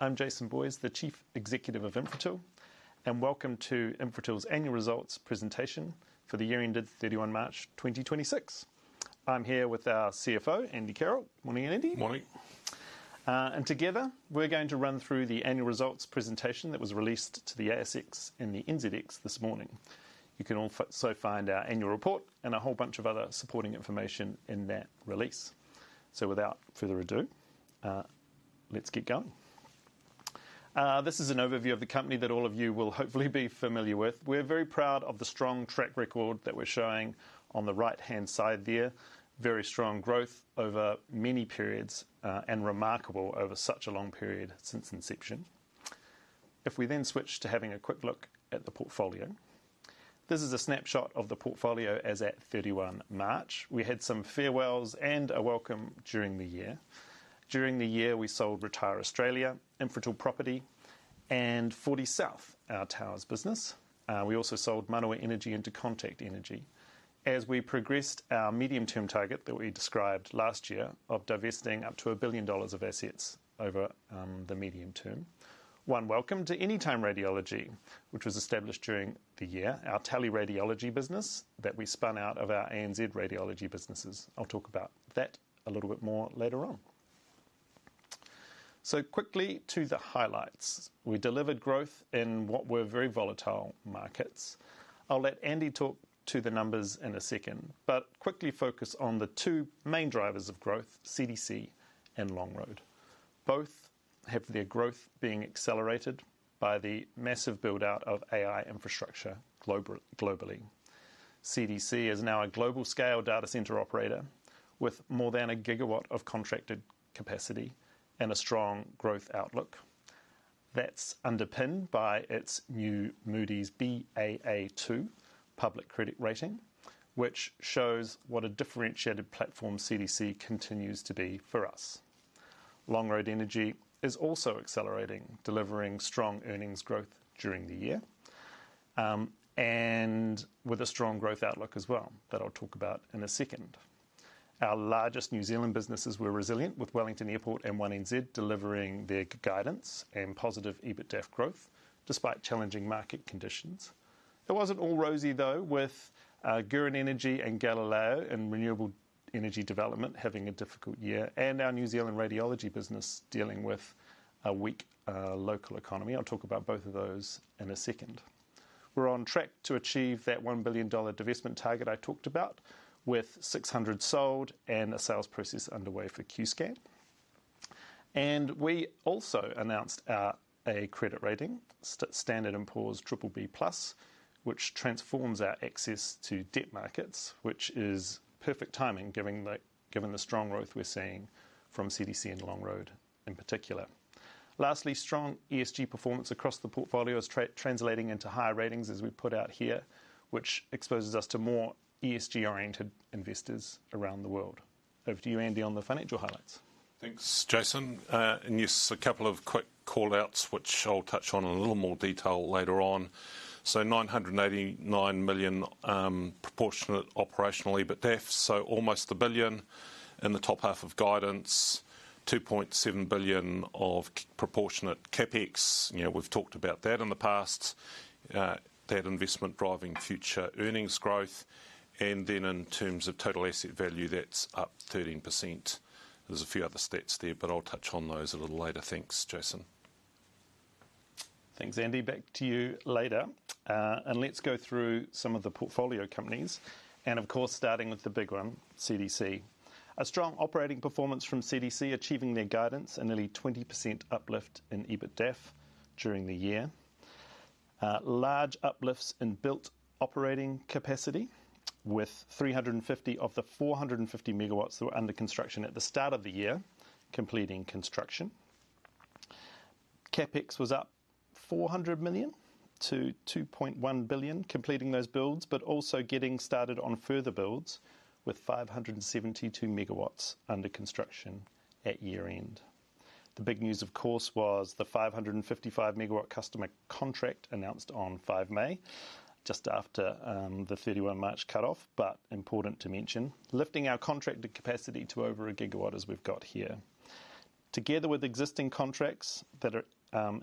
I'm Jason Boyes, the Chief Executive of Infratil. Welcome to Infratil's annual results presentation for the year ended 31 March 2026. I'm here with our CFO, Andy Carroll. Morning, Andy. Morning. Together we're going to run through the annual results presentation that was released to the ASX and the NZX this morning. You can also find our Annual Report and a whole bunch of other supporting information in that release. Without further ado, let's get going. This is an overview of the company that all of you will hopefully be familiar with. We're very proud of the strong track record that we're showing on the right-hand side there. Very strong growth over many periods, and remarkable over such a long period since inception. We then switch to having a quick look at the portfolio. This is a snapshot of the portfolio as at 31 March. We had some farewells and a welcome during the year. During the year, we sold RetireAustralia, Infratil Property, and Fortysouth, our towers business. We also sold Manawa Energy into Contact Energy as we progressed our medium-term target that we described last year of divesting up to 1 billion dollars of assets over the medium-term. One welcome to Anytime Radiology, which was established during the year, our Teleradiology business that we spun out of our ANZ Radiology businesses. I will talk about that a little bit more later on. Quickly to the highlights. We delivered growth in what were very volatile markets. I will let Andy talk to the numbers in a second, but quickly focus on the two main drivers of growth, CDC and Longroad. Both have their growth being accelerated by the massive build-out of AI infrastructure globally. CDC is now a global-scale data center operator with more than 1 GW of contracted capacity and a strong growth outlook. That's underpinned by its new Moody's Baa2 public credit rating, which shows what a differentiated platform CDC continues to be for us. Longroad Energy is also accelerating, delivering strong earnings growth during the year, and with a strong growth outlook as well that I'll talk about in a second. Our largest New Zealand businesses were resilient with Wellington Airport and One NZ delivering their guidance and positive EBITDAF growth despite challenging market conditions. It wasn't all rosy though, with Gurīn Energy and Galileo in renewable energy development having a difficult year, and our New Zealand Radiology business dealing with a weak local economy. I'll talk about both of those in a second. We're on track to achieve that 1 billion dollar divestment target I talked about with 600 sold and a sales process underway for Qscan. We also announced our A credit rating, Standard & Poor's BBB+, which transforms our access to debt markets, which is perfect timing given the strong growth we're seeing from CDC and Longroad in particular. Lastly, strong ESG performance across the portfolio is translating into higher ratings as we put out here, which exposes us to more ESG-oriented investors around the world. Over to you, Andy, on the financial highlights. Thanks, Jason. Yes, a couple of quick call-outs, which I'll touch on in a little more detail later on. 989 million proportionate operational EBITDAFs, almost 1 billion in the top half of guidance, 2.7 billion of proportionate CapEx. We've talked about that in the past, that investment driving future earnings growth. In terms of total asset value, that's up 13%. There's a few other stats there, but I'll touch on those a little later. Thanks, Jason. Thanks, Andy. Back to you later. Let's go through some of the portfolio companies and of course, starting with the big one, CDC. A strong operating performance from CDC, achieving their guidance and nearly 20% uplift in EBITDAF during the year. Large uplifts in built operating capacity with 350 of the 450 MW that were under construction at the start of the year completing construction. CapEx was up 400 million to 2.1 billion, completing those builds, but also getting started on further builds with 572 MW under construction at year-end. The big news, of course, was the 555 MW customer contract announced on 5 May, just after the 31 March cutoff, but important to mention, lifting our contracted capacity to over a gigawatt as we've got here. Together with existing contracts that are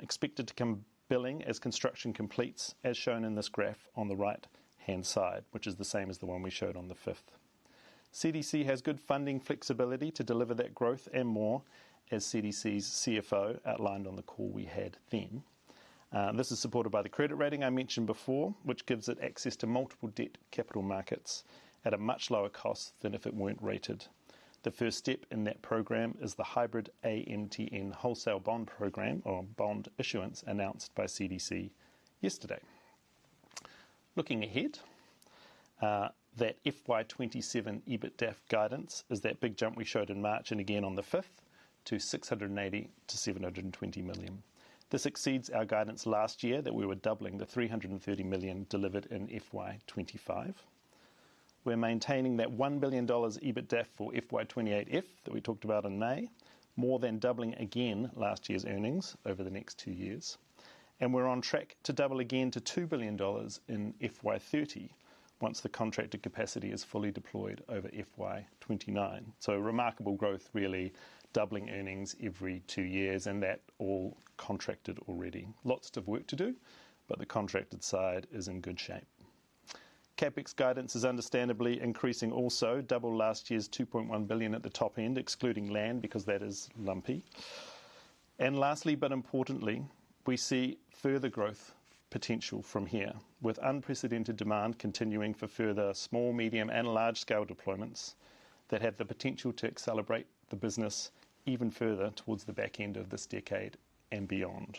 expected to come billing as construction completes, as shown in this graph on the right-hand side, which is the same as the one we showed on the fifth. CDC has good funding flexibility to deliver that growth and more as CDC's CFO outlined on the call we had then. This is supported by the credit rating I mentioned before, which gives it access to multiple debt capital markets at a much lower cost than if it weren't rated. The first step in that program is the hybrid AMTN wholesale bond program or bond issuance announced by CDC yesterday. Looking ahead, that FY 2027 EBITDAF guidance is that big jump we showed in March and again on the fifth to 680 million-720 million. This exceeds our guidance last year that we were doubling the 330 million delivered in FY 2025. We're maintaining that 1 billion dollars EBITDAF for FY 2028F that we talked about in May, more than doubling again last year's earnings over the next two years. We're on track to double again to 2 billion dollars in FY 2030 once the contracted capacity is fully deployed over FY 2029. Remarkable growth really, doubling earnings every two years and that all contracted already. Lots of work to do, the contracted side is in good shape. CapEx guidance is understandably increasing also, double last year's 2.1 billion at the top end, excluding land because that is lumpy. Lastly but importantly, we see further growth potential from here with unprecedented demand continuing for further small, medium, and large scale deployments that have the potential to accelerate the business even further towards the back end of this decade and beyond.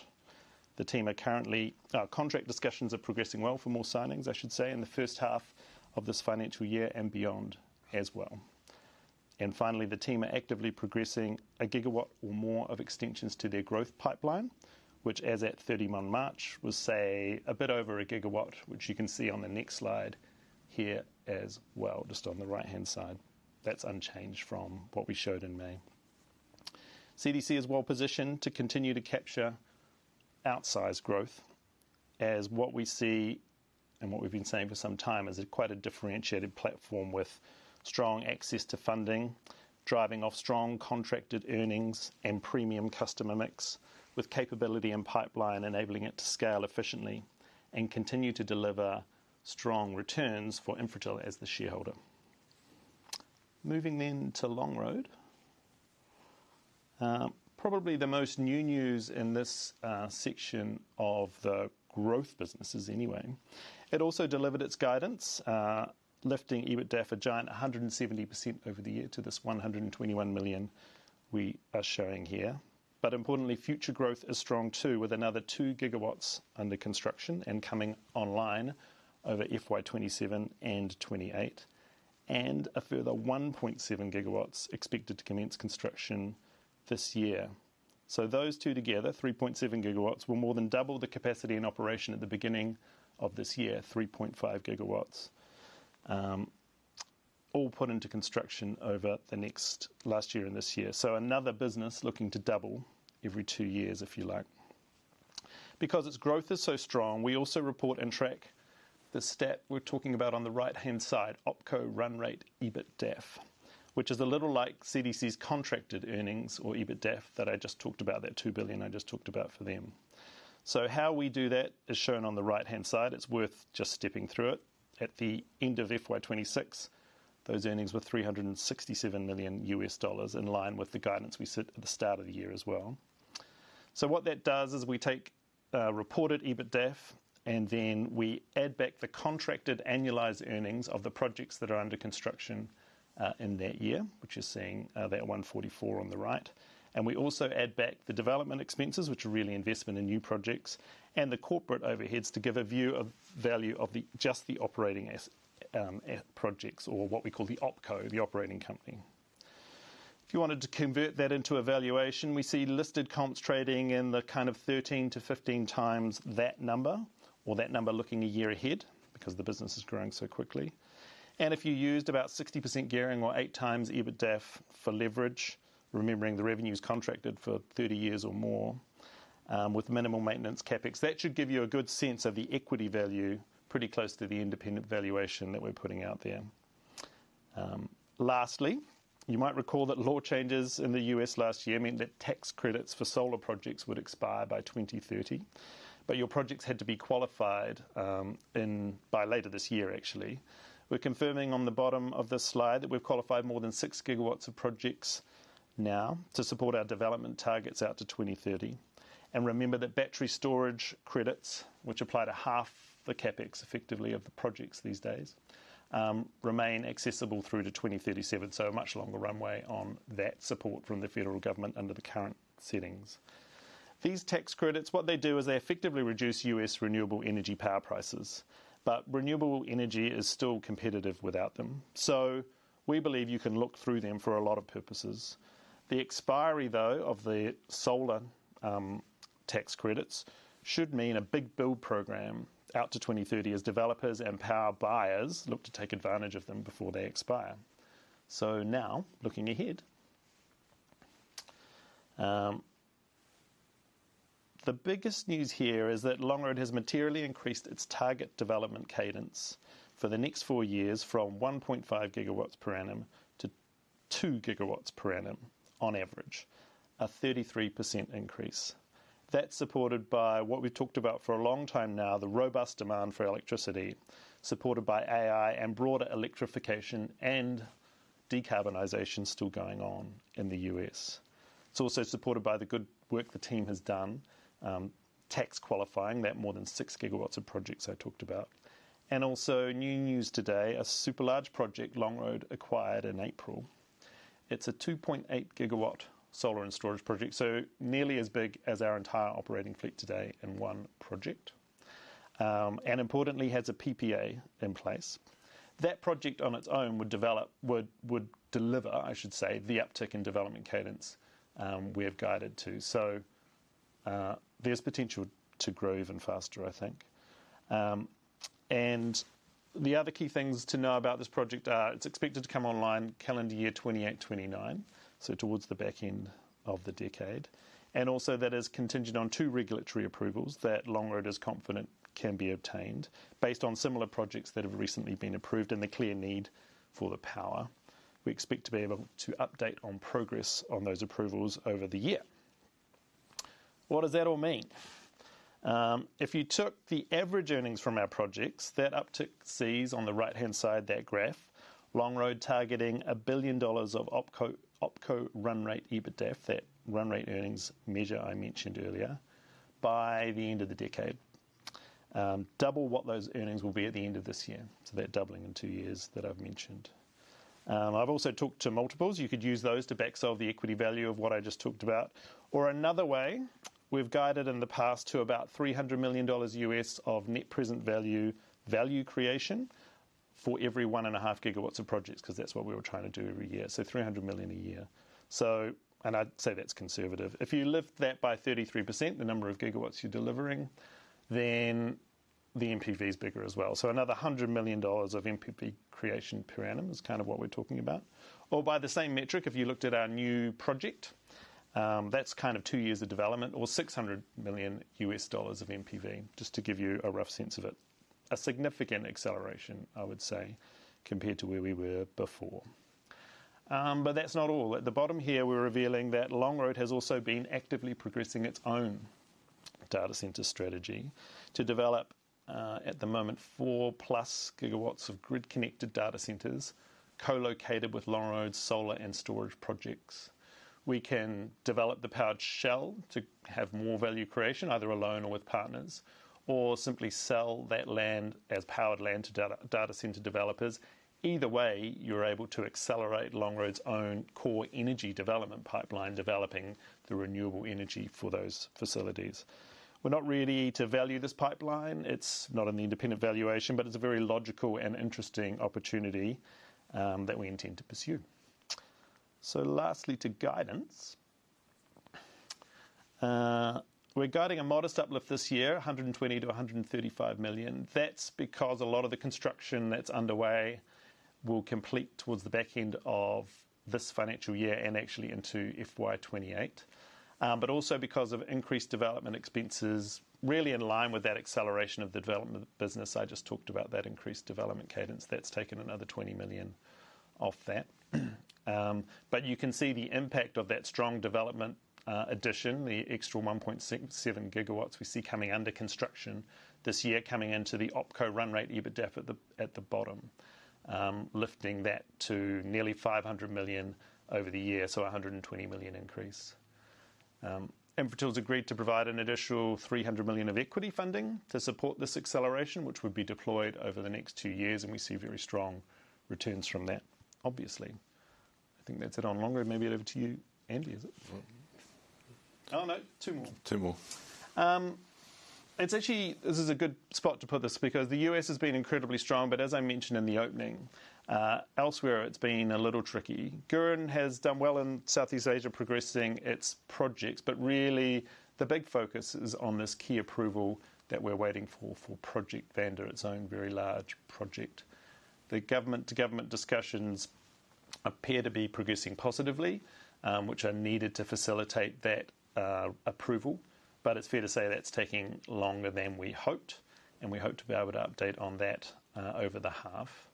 Contract discussions are progressing well for more signings, I should say, in the first half of this financial year and beyond as well. Finally, the team are actively progressing a gigawatt or more of extensions to their growth pipeline, which as at 31 March was say, a bit over a gigawatt, which you can see on the next slide here as well, just on the right-hand side. That's unchanged from what we showed in May. CDC is well-positioned to continue to capture outsized growth as what we see and what we've been saying for some time is quite a differentiated platform with strong access to funding, driving off strong contracted earnings and premium customer mix with capability and pipeline enabling it to scale efficiently and continue to deliver strong returns for Infratil as the shareholder. Moving to Longroad. Probably the most new news in this section of the growth businesses anyway. It also delivered its guidance, lifting EBITDAF for a giant 170% over the year to this 121 million we are showing here. Importantly, future growth is strong too with another 2 GW under construction and coming online over FY 2027 and FY 2028, and a further 1.7 GW expected to commence construction this year. Those two together, 3.7 GW, will more than double the capacity and operation at the beginning of this year, 3.5 GW, all put into construction over the next last year and this year. Because its growth is so strong, we also report and track the stat we're talking about on the right-hand side, OpCo run rate EBITDAF, which is a little like CDC's contracted earnings or EBITDAF that I just talked about, that 2 billion I just talked about for them. How we do that is shown on the right-hand side. It's worth just stepping through it. At the end of FY 2026, those earnings were $367 million U.S., in line with the guidance we set at the start of the year as well. What that does is we take reported EBITDAF, and then we add back the contracted annualized earnings of the projects that are under construction in that year, which you're seeing that 144 million on the right. We also add back the development expenses, which are really investment in new projects and the corporate overheads to give a view of value of just the operating projects or what we call the OpCo, the operating company. If you wanted to convert that into a valuation, we see listed comps trading in the kind of 13-15 times that number or that number looking a year ahead because the business is growing so quickly. If you used about 60% gearing or 8x EBITDAF for leverage, remembering the revenue's contracted for 30 years or more, with minimal maintenance CapEx, that should give you a good sense of the equity value pretty close to the independent valuation that we're putting out there. Lastly, you might recall that law changes in the U.S. last year meant that tax credits for solar projects would expire by 2030, but your projects had to be qualified by later this year actually. We're confirming on the bottom of this slide that we've qualified more than 6 GW of projects now to support our development targets out to 2030. Remember that battery storage credits, which apply to half the CapEx effectively of the projects these days, remain accessible through to 2037, so a much longer runway on that support from the federal government under the current settings. These tax credits, what they do is they effectively reduce U.S. renewable energy power prices, but renewable energy is still competitive without them. We believe you can look through them for a lot of purposes. The expiry, though, of the solar tax credits should mean a big build program out to 2030 as developers and power buyers look to take advantage of them before they expire. Now looking ahead. The biggest news here is that Longroad has materially increased its target development cadence for the next four years from 1.5 GW per annum to 2 GW per annum on average, a 33% increase. That's supported by what we talked about for a long time now, the robust demand for electricity supported by AI and broader electrification and decarbonization still going on in the U.S. It's also supported by the good work the team has done tax qualifying that more than 6 GW of projects I talked about. Also new news today, a super large project Longroad acquired in April. It's a 2.8 GW solar and storage project, so nearly as big as our entire operating fleet today in one project. Importantly, has a PPA in place. That project on its own would deliver, I should say, the uptick in development cadence we have guided to. There's potential to grow even faster, I think. The other key things to know about this project are it's expected to come online calendar year 2028, 2029, so towards the back end of the decade. Also that is contingent on two regulatory approvals that Longroad is confident can be obtained based on similar projects that have recently been approved and the clear need for the power. We expect to be able to update on progress on those approvals over the year. What does that all mean? If you took the average earnings from our projects, that uptick sees on the right-hand side of that graph, Longroad targeting 1 billion dollars of OpCo run rate EBITDAF, that run rate earnings measure I mentioned earlier, by the end of the decade. Double what those earnings will be at the end of this year. That doubling in two years that I've mentioned. I've also talked to multiples. You could use those to back solve the equity value of what I just talked about. Another way, we've guided in the past to about $300 million of net present value creation for every 1.5 GW of projects, because that's what we were trying to do every year. $300 million a year. I'd say that's conservative. If you lift that by 33%, the number of gigawatts you're delivering, the NPV is bigger as well. Another $100 million of NPV creation per annum is kind of what we're talking about. By the same metric, if you looked at our new project, that's kind of two years of development or $600 million of NPV, just to give you a rough sense of it. A significant acceleration, I would say, compared to where we were before. That's not all. At the bottom here, we're revealing that Longroad has also been actively progressing its own data center strategy to develop, at the moment, 4+ GW of grid-connected data centers co-located with Longroad solar and storage projects. We can develop the powered shell to have more value creation, either alone or with partners, or simply sell that land as powered land to data center developers. Either way, you're able to accelerate Longroad's own core energy development pipeline, developing the renewable energy for those facilities. We're not ready to value this pipeline. It's not an independent valuation, but it's a very logical and interesting opportunity that we intend to pursue. Lastly, to guidance. We're guiding a modest uplift this year, 120 million-135 million. That's because a lot of the construction that's underway will complete towards the back end of this financial year and actually into FY 2028. Also because of increased development expenses, really in line with that acceleration of the development business I just talked about, that increased development cadence, that's taken another 20 million off that. You can see the impact of that strong development addition, the extra 1.7 GW we see coming under construction this year coming into the OpCo run rate EBITDAF at the bottom, lifting that to nearly 500 million over the year. 120 million increase. Infratil's agreed to provide an additional 300 million of equity funding to support this acceleration, which would be deployed over the next two years. We see very strong returns from that, obviously. I think that's it on Longroad. Maybe over to you, Andy, is it? Oh, no, two more. Two more. Actually, this is a good spot to put this because the U.S. has been incredibly strong, but as I mentioned in the opening, elsewhere, it's been a little tricky. Gurīn has done well in Southeast Asia progressing its projects, but really the big focus is on this key approval that we're waiting for Project Vanda, its own very large project. The government-to-government discussions appear to be progressing positively, which are needed to facilitate that approval. It's fair to say that's taking longer than we hoped, and we hope to be able to update on that over the half.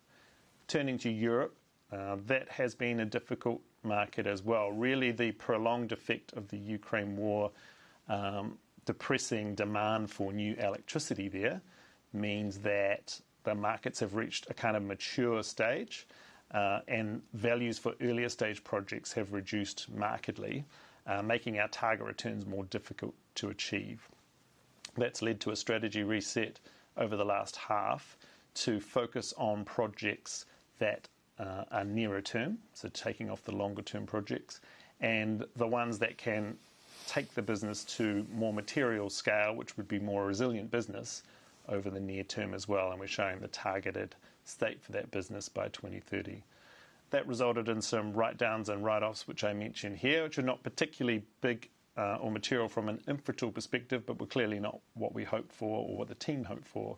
Turning to Europe, that has been a difficult market as well. The prolonged effect of the Ukraine war depressing demand for new electricity there means that the markets have reached a kind of mature stage, and values for earlier stage projects have reduced markedly, making our target returns more difficult to achieve. That's led to a strategy reset over the last half to focus on projects that are nearer term, so taking off the longer term projects, and the ones that can take the business to more material scale, which would be more resilient business over the near term as well, and we're showing the targeted state for that business by 2030. That resulted in some write-downs and write-offs, which I mentioned here, which are not particularly big or material from an Infratil perspective, but were clearly not what we hoped for or what the team hoped for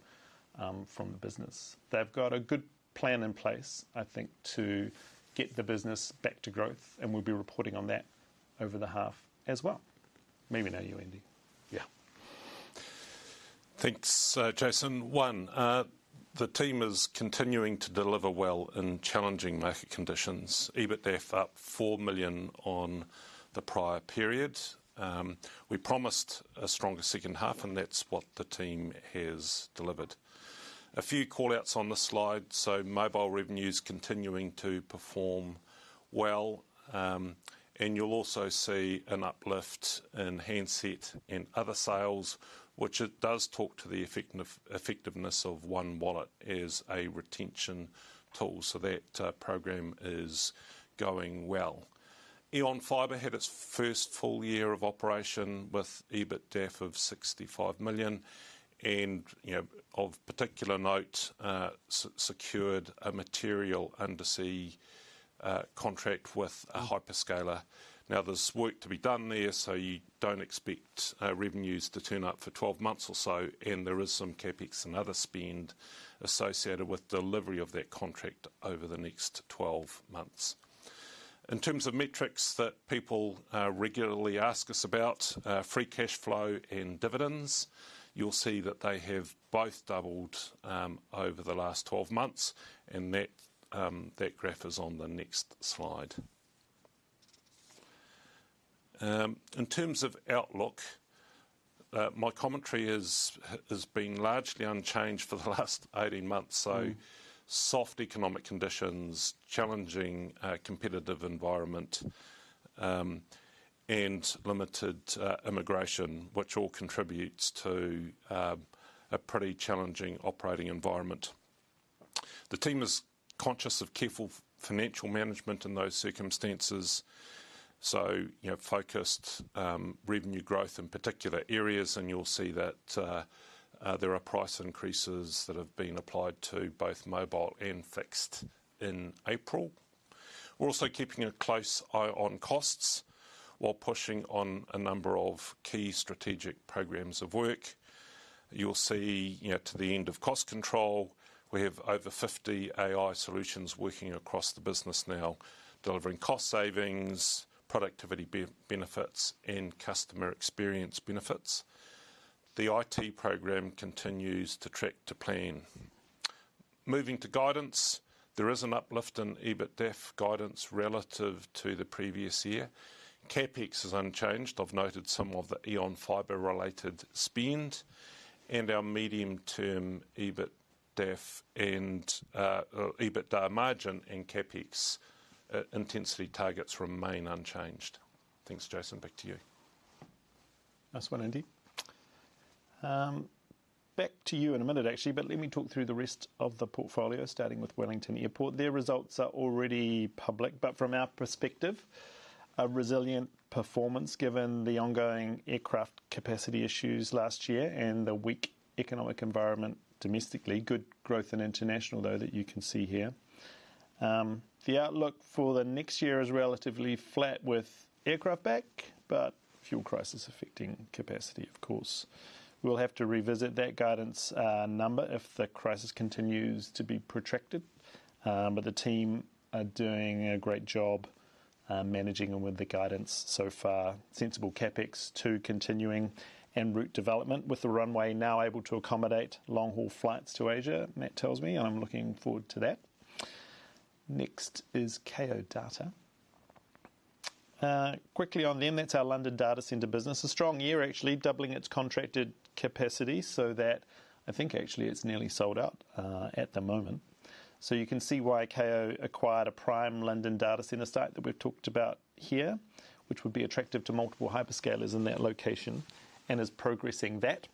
from the business. They've got a good plan in place, I think, to get the business back to growth. We'll be reporting on that over the half as well. Maybe now you, Andy. Yeah. Thanks, Jason. One, the team is continuing to deliver well in challenging market conditions. EBITDAF up 4 million on the prior period. We promised a stronger second half, and that's what the team has delivered. A few call-outs on this slide. Mobile revenue is continuing to perform well. You'll also see an uplift in handset and other sales, which it does talk to the effectiveness of One Wallet as a retention tool. That program is going well. EonFibre had its first full year of operation with EBITDA of 65 million, and of particular note, secured a material undersea contract with a hyperscaler. There's work to be done there, so you don't expect revenues to turn up for 12 months or so, and there is some CapEx and other spend associated with delivery of that contract over the next 12 months. In terms of metrics that people regularly ask us about, free cash flow and dividends, you'll see that they have both doubled over the last 12 months, and that graph is on the next slide. In terms of outlook, my commentary has been largely unchanged for the last 18 months. Soft economic conditions, challenging competitive environment, and limited immigration, which all contributes to a pretty challenging operating environment. The team is conscious of careful financial management in those circumstances, so focused revenue growth in particular areas, and you'll see that there are price increases that have been applied to both mobile and fixed in April. We're also keeping a close eye on costs while pushing on a number of key strategic programs of work. You'll see to the end of cost control, we have over 50 AI solutions working across the business now, delivering cost savings, productivity benefits, and customer experience benefits. The IT program continues to track to plan. Moving to guidance. There is an uplift in EBITDAF guidance relative to the previous year. CapEx is unchanged. I've noted some of the EonFibre-related spend and our medium-term EBITDAF margin and CapEx intensity targets remain unchanged. Thanks, Jason, back to you. Nice one, Andy. Back to you in a minute, actually. Let me talk through the rest of the portfolio, starting with Wellington Airport. Their results are already public. From our perspective, a resilient performance given the ongoing aircraft capacity issues last year and the weak economic environment domestically. Good growth in international, though, that you can see here. The outlook for the next year is relatively flat with aircraft back. Fuel crisis affecting capacity, of course. We'll have to revisit that guidance number if the crisis continues to be protracted. The team are doing a great job managing them with the guidance so far. Sensible CapEx too, continuing en route development with the runway now able to accommodate long-haul flights to Asia, Matt tells me, and I'm looking forward to that. Next is Kao Data. Quickly on them, that's our London data center business. A strong year, actually, doubling its contracted capacity so that I think actually it's nearly sold out at the moment. You can see why Kao acquired a prime London data center site that we've talked about here, which would be attractive to multiple hyperscalers in that location and is progressing that,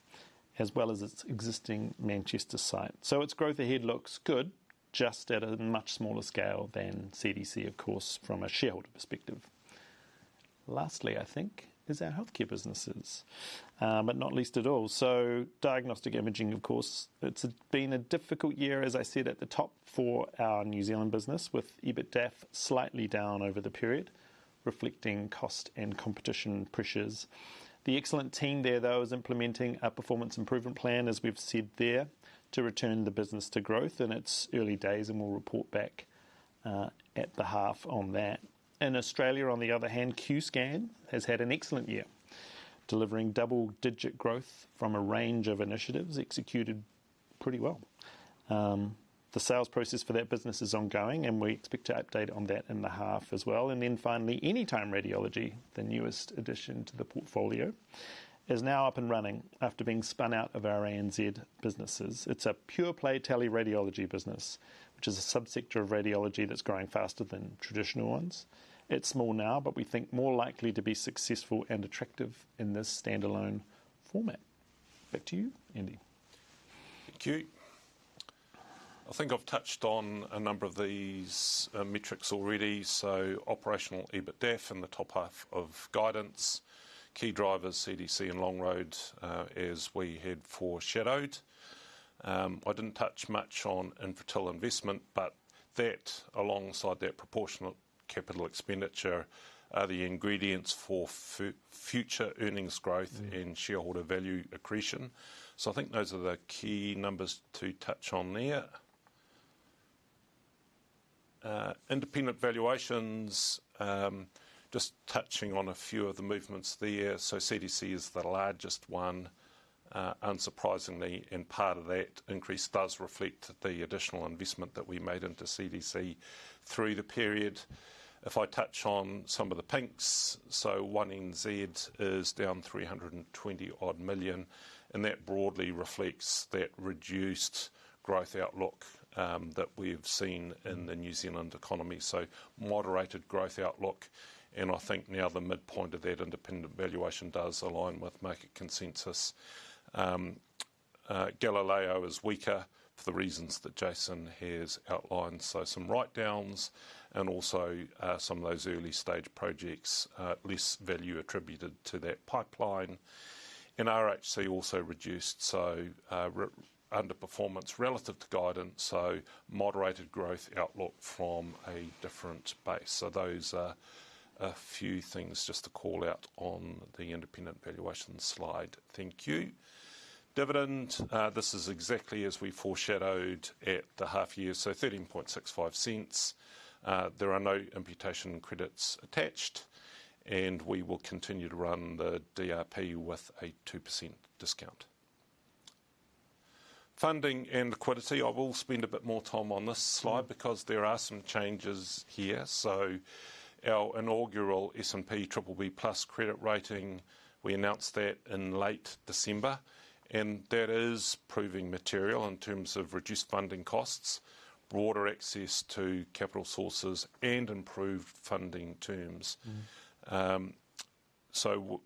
as well as its existing Manchester site. Its growth ahead looks good, just at a much smaller scale than CDC, of course, from a shareholder perspective. Lastly, I think, is our Healthcare businesses. Not least at all. Diagnostic imaging, of course, it's been a difficult year, as I said, at the top for RHCNZ business, with EBITDAF slightly down over the period, reflecting cost and competition pressures. The excellent team there, though, is implementing a performance improvement plan, as we've said, there to return the business to growth in its early days, and we'll report back at the half on that. In Australia, on the other hand, Qscan has had an excellent year, delivering double-digit growth from a range of initiatives executed pretty well. The sales process for that business is ongoing, and we expect to update on that in the half as well. Finally, Anytime Radiology, the newest addition to the portfolio, is now up and running after being spun out of our ANZ businesses. It's a pure-play teleradiology business, which is a sub-sector of radiology that's growing faster than traditional ones. It's small now, but we think more likely to be successful and attractive in this standalone format. Back to you, Andy. Thank you. I think I've touched on a number of these metrics already. Operational EBITDAF in the top half of guidance. Key drivers, CDC and Longroad, as we had foreshadowed. I didn't touch much on Infratil Investment, but that, alongside that proportional capital expenditure, are the ingredients for future earnings growth and shareholder value accretion. I think those are the key numbers to touch on there. Independent valuations, just touching on a few of the movements there. CDC is the largest one, unsurprisingly, and part of that increase does reflect the additional investment that we made into CDC through the period. If I touch on some of the pinks, One NZ is down 320 million, and that broadly reflects that reduced growth outlook that we've seen in the New Zealand economy. Moderated growth outlook, and I think now the midpoint of that independent valuation does align with market consensus. Galileo is weaker for the reasons that Jason has outlined. Some write-downs and also some of those early-stage projects, less value attributed to that pipeline. RHCNZ also reduced, underperformance relative to guidance, moderated growth outlook from a different base. Those are a few things just to call out on the independent valuation slide. Thank you. Dividend, this is exactly as we foreshadowed at the half year, 0.1365. There are no imputation credits attached, and we will continue to run the DRP with a 2% discount. Funding and liquidity. I will spend a bit more time on this slide because there are some changes here. Our inaugural S&P BBB+ credit rating, we announced that in late December, and that is proving material in terms of reduced funding costs, broader access to capital sources, and improved funding terms.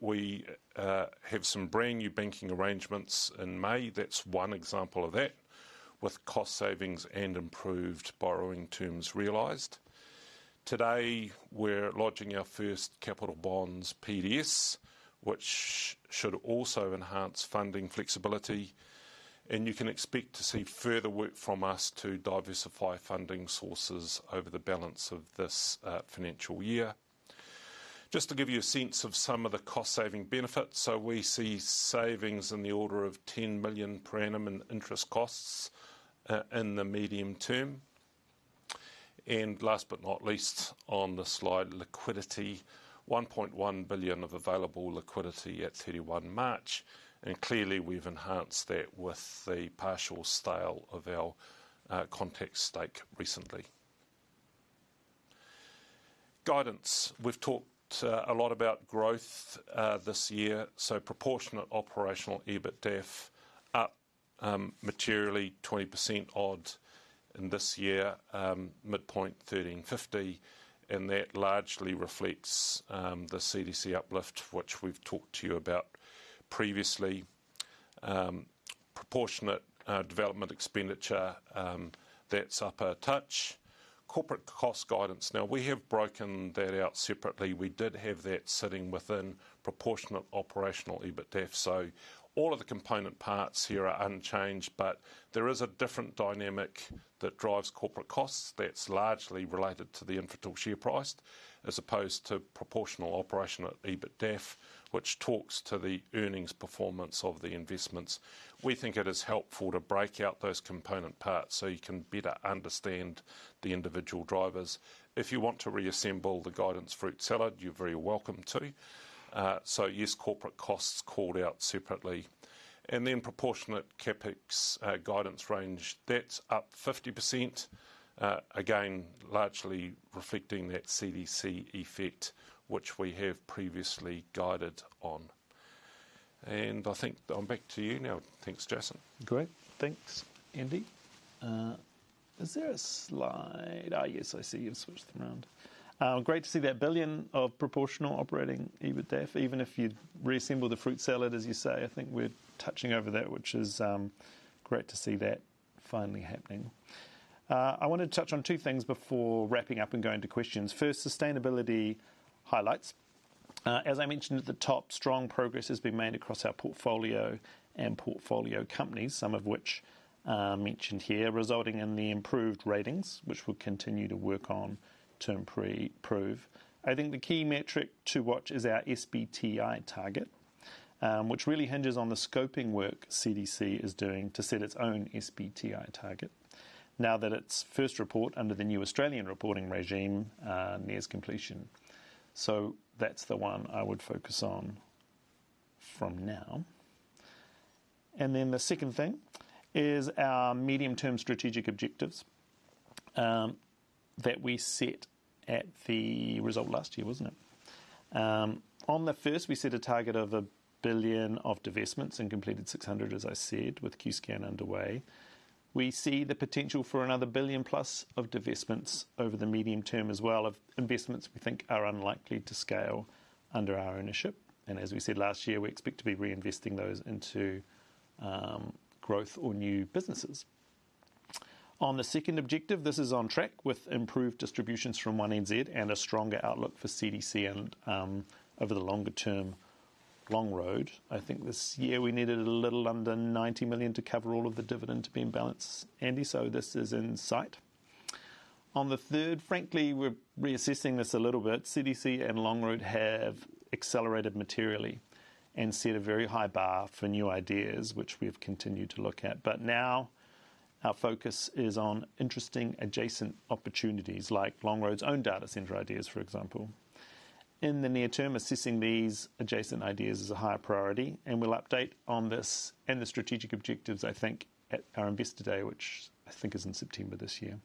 We have some brand-new banking arrangements in May. That's one example of that, with cost savings and improved borrowing terms realized. Today, we're lodging our first capital bonds PDS, which should also enhance funding flexibility, and you can expect to see further work from us to diversify funding sources over the balance of this financial year. Just to give you a sense of some of the cost-saving benefits, we see savings in the order of 10 million per annum in interest costs in the medium term. Last but not least, on the slide, liquidity, 1.1 billion of available liquidity at 31 March. Clearly we've enhanced that with the partial sale of our Contact Energy stake recently. Guidance. We've talked a lot about growth this year, so proportionate operational EBITDAF up materially 20% odd in this year, midpoint 13.50. That largely reflects the CDC uplift, which we've talked to you about previously. Proportionate development expenditure, that's up a touch. Corporate cost guidance. We have broken that out separately. We did have that sitting within proportionate operational EBITDAF. All of the component parts here are unchanged. There is a different dynamic that drives corporate costs that's largely related to the Infratil share price, as opposed to proportionate operational EBITDAF, which talks to the earnings performance of the investments. We think it is helpful to break out those component parts so you can better understand the individual drivers. If you want to reassemble the guidance fruit salad, you are very welcome to. Yes, corporate costs called out separately. Then proportionate CapEx guidance range, that is up 50%, again, largely reflecting that CDC effect which we have previously guided on. I think I am back to you now. Thanks, Jason. Great. Thanks, Andy. Is there a slide? Yes, I see. You've switched it around. Great to see that 1 billion of proportionate operating EBITDAF, even if you've reassembled the fruit salad, as you say. I think we're touching over that, which is great to see that finally happening. I want to touch on two things before wrapping up and going to questions. First, sustainability highlights. As I mentioned at the top, strong progress has been made across our portfolio and portfolio companies, some of which are mentioned here, resulting in the improved ratings, which we'll continue to work on to improve. I think the key metric to watch is our SBTi target, which really hinges on the scoping work CDC is doing to set its own SBTi target now that its first report under the new Australian reporting regime nears completion. That's the one I would focus on from now. The second thing is our medium-term strategic objectives that we set at the result last year, wasn't it? On the first, we set a target of 1 billion of divestments and completed 600 million, as I said, with Qscan underway. We see the potential for another 1+ billion of divestments over the medium term as well, of investments we think are unlikely to scale under our ownership. As we said last year, we expect to be reinvesting those into growth or new businesses. On the second objective, this is on track with improved distributions from One NZ and a stronger outlook for CDC over the longer term. Longroad. I think this year we needed a little under 90 million to cover all of the dividends being balanced, Andy, this is in sight. On the third, frankly, we're reassessing this a little bit. CDC and Longroad have accelerated materially and set a very high bar for new ideas, which we've continued to look at. Now our focus is on interesting adjacent opportunities like Longroad's own data center ideas, for example. In the near term, assessing these adjacent ideas is a high priority, and we'll update on this and the strategic objectives, I think, at our Investor Day, which I think is in September this year.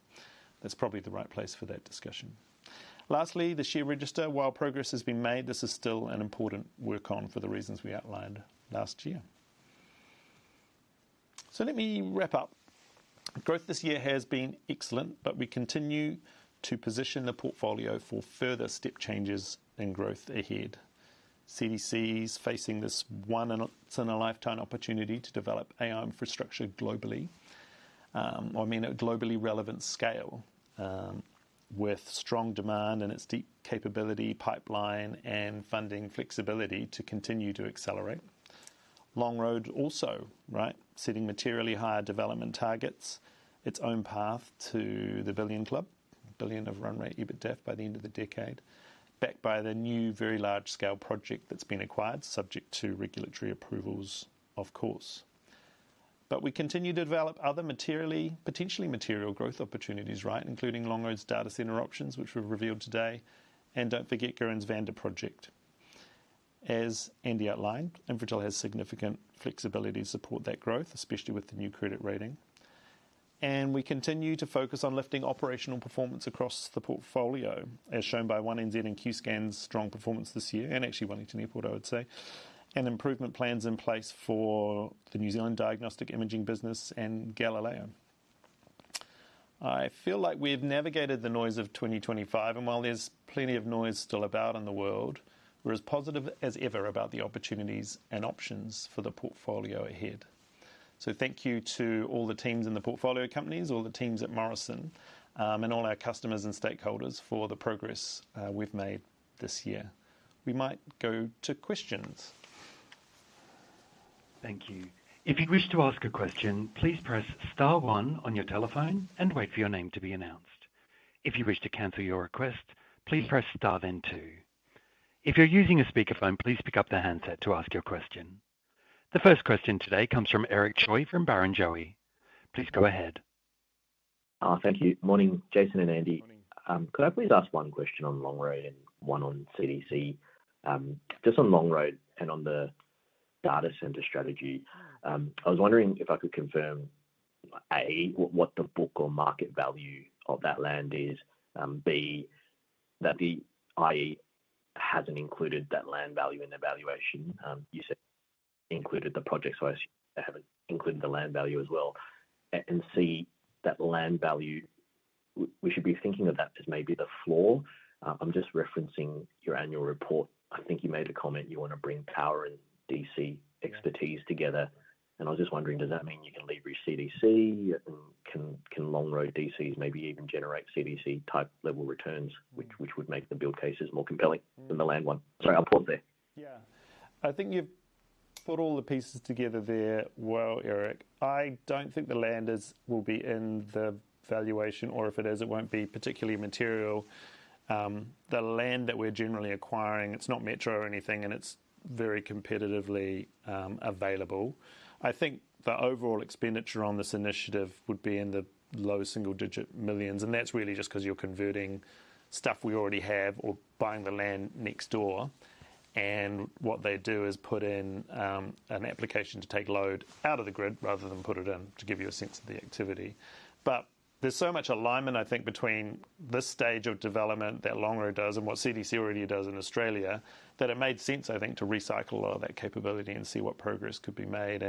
That's probably the right place for that discussion. Lastly, the share register. While progress has been made, this is still an important work-on for the reasons we outlined last year. Let me wrap up. Growth this year has been excellent, we continue to position the portfolio for further step changes in growth ahead. CDC is facing this once-in-a-lifetime opportunity to develop AI infrastructure globally. I mean at globally relevant scale, with strong demand and its deep capability pipeline and funding flexibility to continue to accelerate. Longroad also, setting materially higher development targets, its own path to the billion club, 1 billion of run rate EBITDAF by the end of the decade, backed by the new very large-scale project that's been acquired subject to regulatory approvals, of course. We continue to develop other potentially material growth opportunities including Longroad's data center options, which we've revealed today, and don't forget Gurīn's Vanda project. As Andy outlined, Infratil has significant flexibility to support that growth, especially with the new credit rating. We continue to focus on lifting operational performance across the portfolio, as shown by One NZ and Qscan's strong performance this year, and actually One NZ, I would say, and improvement plans in place for the New Zealand Diagnostic Imaging Business in Galileo. I feel like we've navigated the noise of 2025, and while there's plenty of noise still about in the world, we're as positive as ever about the opportunities and options for the portfolio ahead. Thank you to all the teams in the portfolio companies, all the teams at Morrison, and all our customers and stakeholders for the progress we've made this year. We might go to questions. Thank you. If you wish to ask a question, please press star one on your telephone and wait for your name to be announced. If you wish to cancel your request, please press star then two. If you're using a speakerphone, please pick up the handset to ask your question. The first question today comes from Eric Choi from Barrenjoey. Please go ahead. Thank you. Morning, Jason and Andy. Morning. Could I please ask one question on Longroad and one on CDC? Just on Longroad and on the data center strategy. I was wondering if I could confirm, A, what the book or market value of that land is, and B, that the IE hasn't included that land value in the valuation. You said included the project first, including the land value as well. C, that land value, we should be thinking of that as maybe the floor. I'm just referencing your annual report. I think you made a comment you want to bring power and DC expertise together. I'm just wondering, does that mean you can lever CDC and can Longroad DC maybe even generate CDC type level returns, which would make the build cases more compelling than the land one? Three off points there. I think you've put all the pieces together there well, Eric. I don't think the land will be in the valuation, or if it is, it won't be particularly material. The land that we're generally acquiring, it's not metro or anything, and it's very competitively available. I think the overall expenditure on this initiative would be in the low single-digit millions, and that's really just because you're converting stuff we already have or buying the land next door. What they do is put in an application to take load out of the grid rather than put it in to give you a sense of the activity. There's so much alignment, I think, between this stage of development that Longroad Energy does and what CDC Data Centres already does in Australia, that it made sense, I think, to recycle a lot of that capability and see what progress could be made.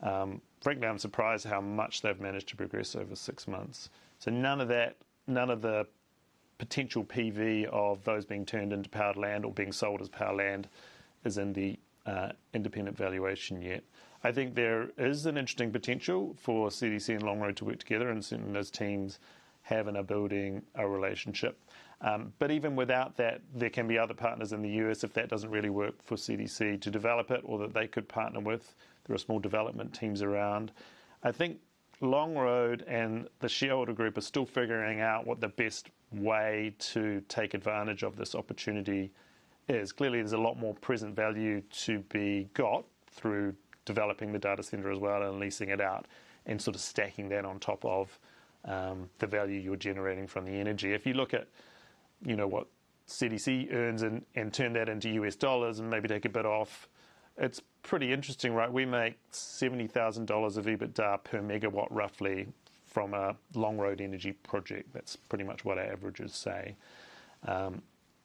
Frankly, I'm surprised how much they've managed to progress over six months. None of the potential PV of those being turned into powered land or being sold as power land is in the independent valuation yet. I think there is an interesting potential for CDC and Longroad to work together, and certainly those teams having and building a relationship. Even without that, there can be other partners in the U.S. if that doesn't really work for CDC to develop it or that they could partner with. There are small development teams around. I think Longroad and the shareholder group are still figuring out what the best way to take advantage of this opportunity is. Clearly, there's a lot more present value to be got through developing the data center as well and leasing it out and sort of stacking that on top of the value you're generating from the energy. If you look at what CDC earns and turn that into U.S. dollars and maybe take a bit off, it's pretty interesting. We make $70,000 of EBITDA per MW roughly from a Longroad Energy project. That's pretty much what our averages say.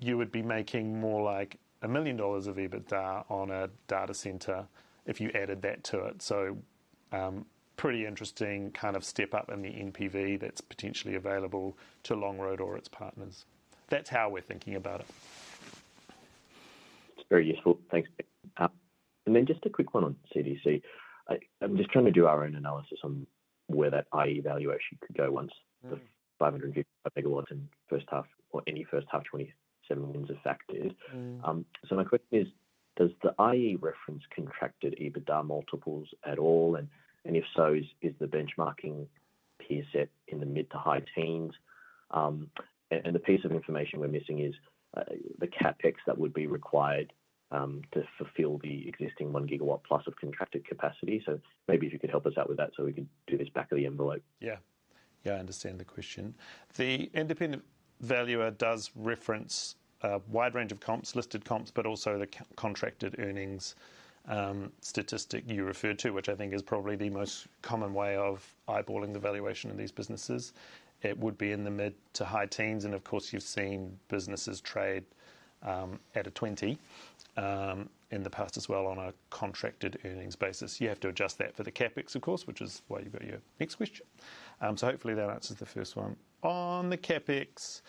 You would be making more like $1 million of EBITDA on a data center if you added that to it. Pretty interesting kind of step up in the NPV that's potentially available to Longroad or its partners. That's how we're thinking about it. That's very useful. Thanks. Just a quick one on CDC. I'm just trying to do our own analysis on where that IE valuation could go once the 500 GW in first half or any first half 2027 wins a factor. My question is does the IE reference contracted EBITDA multiples at all and if so, is the benchmarking peer set in the mid to high teens? The piece of information we're missing is the CapEx that would be required to fulfill the existing 1+ GW of contracted capacity. Maybe if you could help us out with that so we can do this back of the envelope. I understand the question. The independent valuer does reference a wide range of comps, listed comps, but also the contracted earnings statistic you referred to, which I think is probably the most common way of eyeballing the valuation of these businesses. It would be in the mid to high teens, you've seen businesses trade at a 20x in the past as well on a contracted earnings basis. You have to adjust that for the CapEx, of course, which is why you've got your next question. Hopefully that answers the first one. On the CapEx,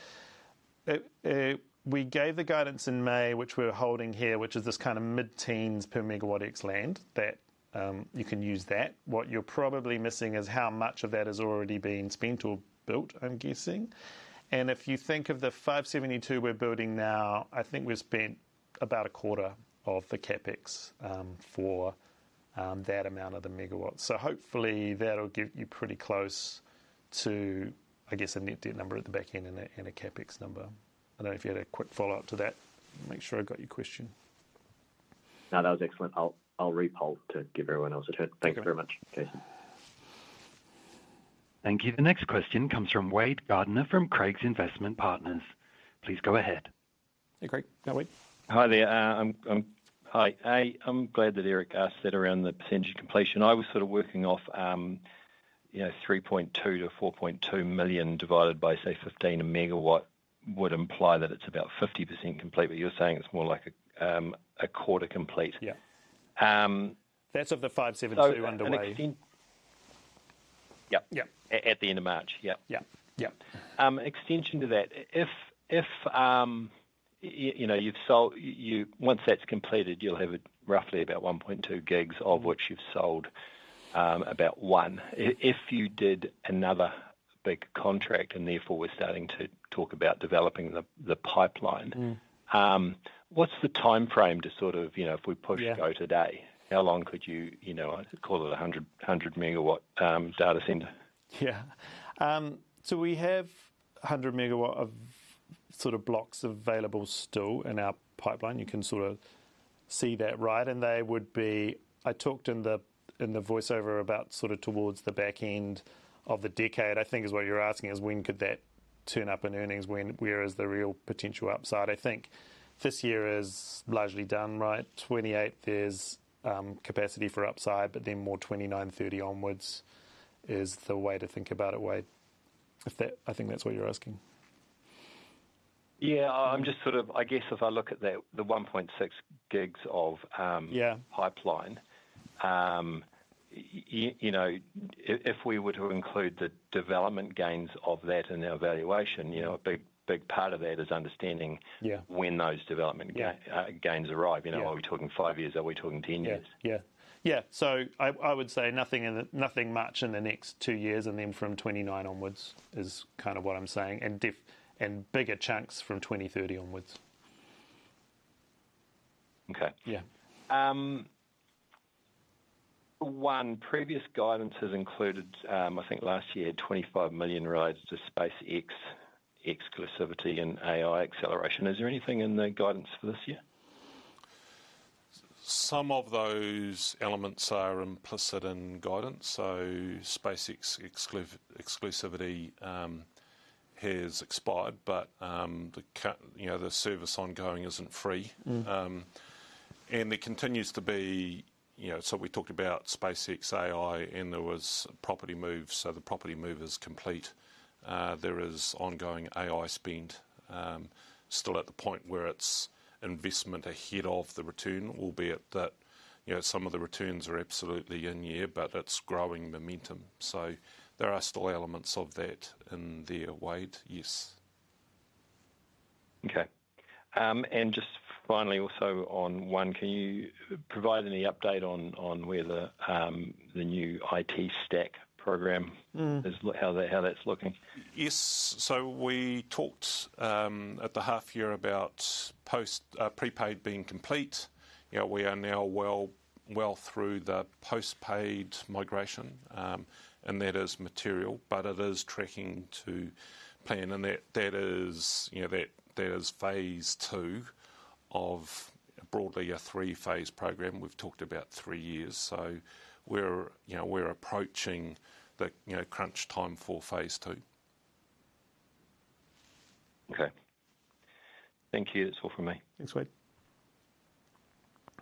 we gave the guidance in May, which we're holding here, which is this kind of mid-teens per megawatts. You can use that. What you're probably missing is how much of that has already been spent or built, I'm guessing. If you think of the 572 MW we're building now, I think we've spent about a quarter of the CapEx for that amount of the megawatts. Hopefully, that'll get you pretty close to, I guess, a net debt number at the back end and a CapEx number. I don't know if you had a quick follow-up to that. Make sure I got your question. No, that was excellent. I'll repoll to give everyone else a turn. Okay. Thank you very much, Jason. Thank you. The next question comes from Wade Gardiner from Craigs Investment Partners. Please go ahead. Hey, Wade Gardiner. Go ahead. Hi there. Hi. I'm glad that Eric asked that around the percentage completion. I was sort of working off 3.2 million-4.2 million divided by, say, 15 a MW would imply that it's about 50% complete, but you're saying it's more like a quarter complete. Yeah. That's of the 572 MW underway. Yep. Yep. At the end of March. Yep. Yep. Yep. Extension to that. Once that's completed, you'll have roughly about 1.2 GW of which you've sold about one. If you did another big contract, and therefore we're starting to talk about developing the pipeline. What's the timeframe to sort of, if we push go today. Yeah. How long could you, I'd call it 100 MW data center? Yeah. We have 100 MW of sort of blocks available still in our pipeline. You can sort of see that, right? I talked in the voiceover about sort of towards the back end of the decade, I think is what you're asking is when could that turn up in earnings? Where is the real potential upside? I think this year is largely done, right? 2028, there's capacity for upside, but then more 2029, 2030 onwards is the way to think about it, Wade. I think that's what you're asking. Yeah. I guess if I look at the 1.6 GW of— Yeah. —pipeline. If we were to include the development gains of that in our valuation, a big part of that is understanding— Yeah. —when those development gains arrive. Yeah. Are we talking five years? Are we talking 10 years? I would say nothing much in the next two years, and then from 2029 onwards is kind of what I'm saying, and bigger chunks from 2030 onwards. Okay. Yeah. One, previous guidance has included, I think last year, 25 million related to SpaceX exclusivity and AI acceleration. Is there anything in the guidance for this year? Some of those elements are implicit in guidance, SpaceX exclusivity has expired. The service ongoing isn't free. We talked about SpaceX AI, and there was property moves. The property move is complete. There is ongoing AI spend still at the point where it's investment ahead of the return, albeit that some of the returns are absolutely in year, but it's growing momentum. There are still elements of that in there, Wade, yes. Okay. Just finally, also on One NZ, can you provide any update on where the new IT stack program? How that's looking? Yes. We talked at the half year about prepaid being complete. We are now well through the post-paid migration, and that is material, but it is tracking to plan, and that is phase II of broadly a three-phase program. We've talked about three years. We're approaching the crunch time for phase II. Okay. Thank you. That's all from me. Thanks, Wade.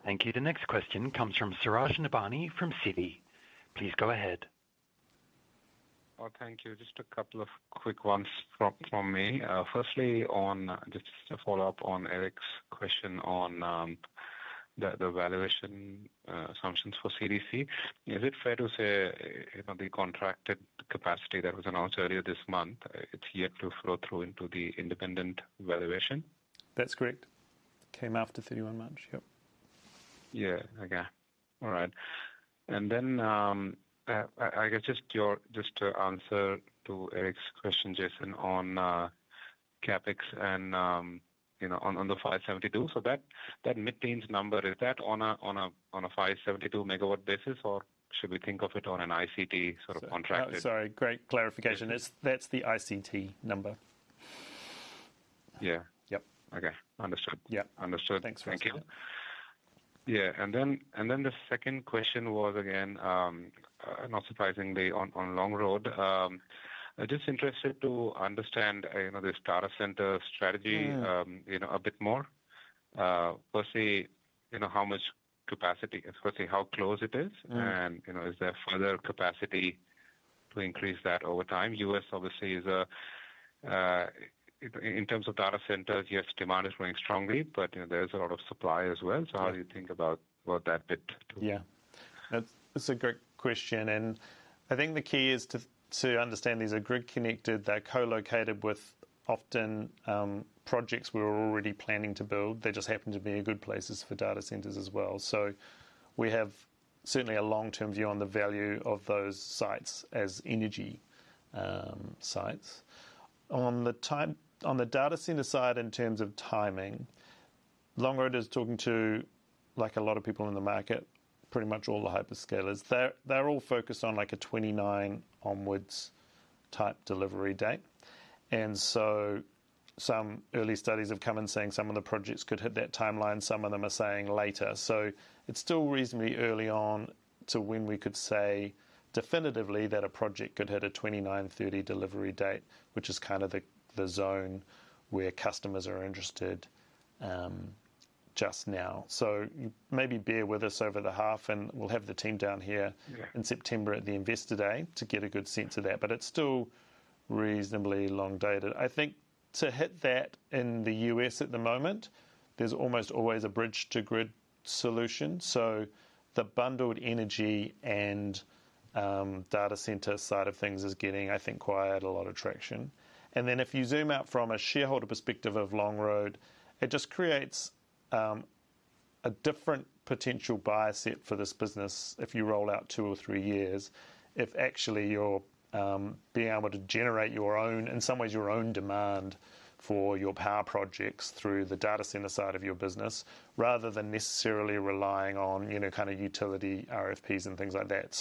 Thank you. The next question comes from Suraj Nebhani from Citi. Please go ahead. Thank you. Just a couple of quick ones from me. Just to follow up on Eric's question on the valuation assumptions for CDC. Is it fair to say the contracted capacity that was announced earlier this month, it's yet to flow through into the independent valuation? That's correct. Came after 31 March, yep. Yeah. Okay. All right. I guess just to answer to Eric's question, Jason, on CapEx and on the 572 MW. That mid-teens number, is that on a 572 MW basis, or should we think of it on an ICT sort of contracted- Sorry, great clarification. That's the ICT number. Yeah. Yep. Okay. Understood. Yep. Understood. Thanks for that. Thank you. Yeah, then the second question was, again, not surprisingly, on Longroad. Just interested to understand the data center strategy a bit more. Firstly, how much capacity, especially how close it is. Is there further capacity to increase that over time? U.S., obviously, in terms of data centers, yes, demand is growing strongly, but there's a lot of supply as well. How do you think about that bit, too? That's a great question, and I think the key is to understand these are grid-connected. They're co-located with often projects we're already planning to build. They just happen to be in good places for data centers as well. We have certainly a long-term view on the value of those sites as energy sites. On the data center side in terms of timing, Longroad is talking to a lot of people in the market, pretty much all the hyperscalers. They're all focused on a 2029 onwards type delivery date. Some early studies have come in saying some of the projects could hit that timeline, some of them are saying later. It's still reasonably early on to when we could say definitively that a project could hit a 2029, 2030 delivery date, which is the zone where customers are interested just now. Maybe bear with us over the half and we'll have the team down here. Yeah. in September at the Investor Day to get a good sense of that. It's still reasonably long dated. I think to hit that in the U.S. at the moment, there's almost always a bridge to grid solution. The bundled energy and data center side of things is getting, I think, quite a lot of traction. If you zoom out from a shareholder perspective of Longroad, it just creates a different potential bias set for this business if you roll out two or three years, if actually you're being able to generate in some ways your own demand for your power projects through the data center side of your business, rather than necessarily relying on utility RFPs and things like that.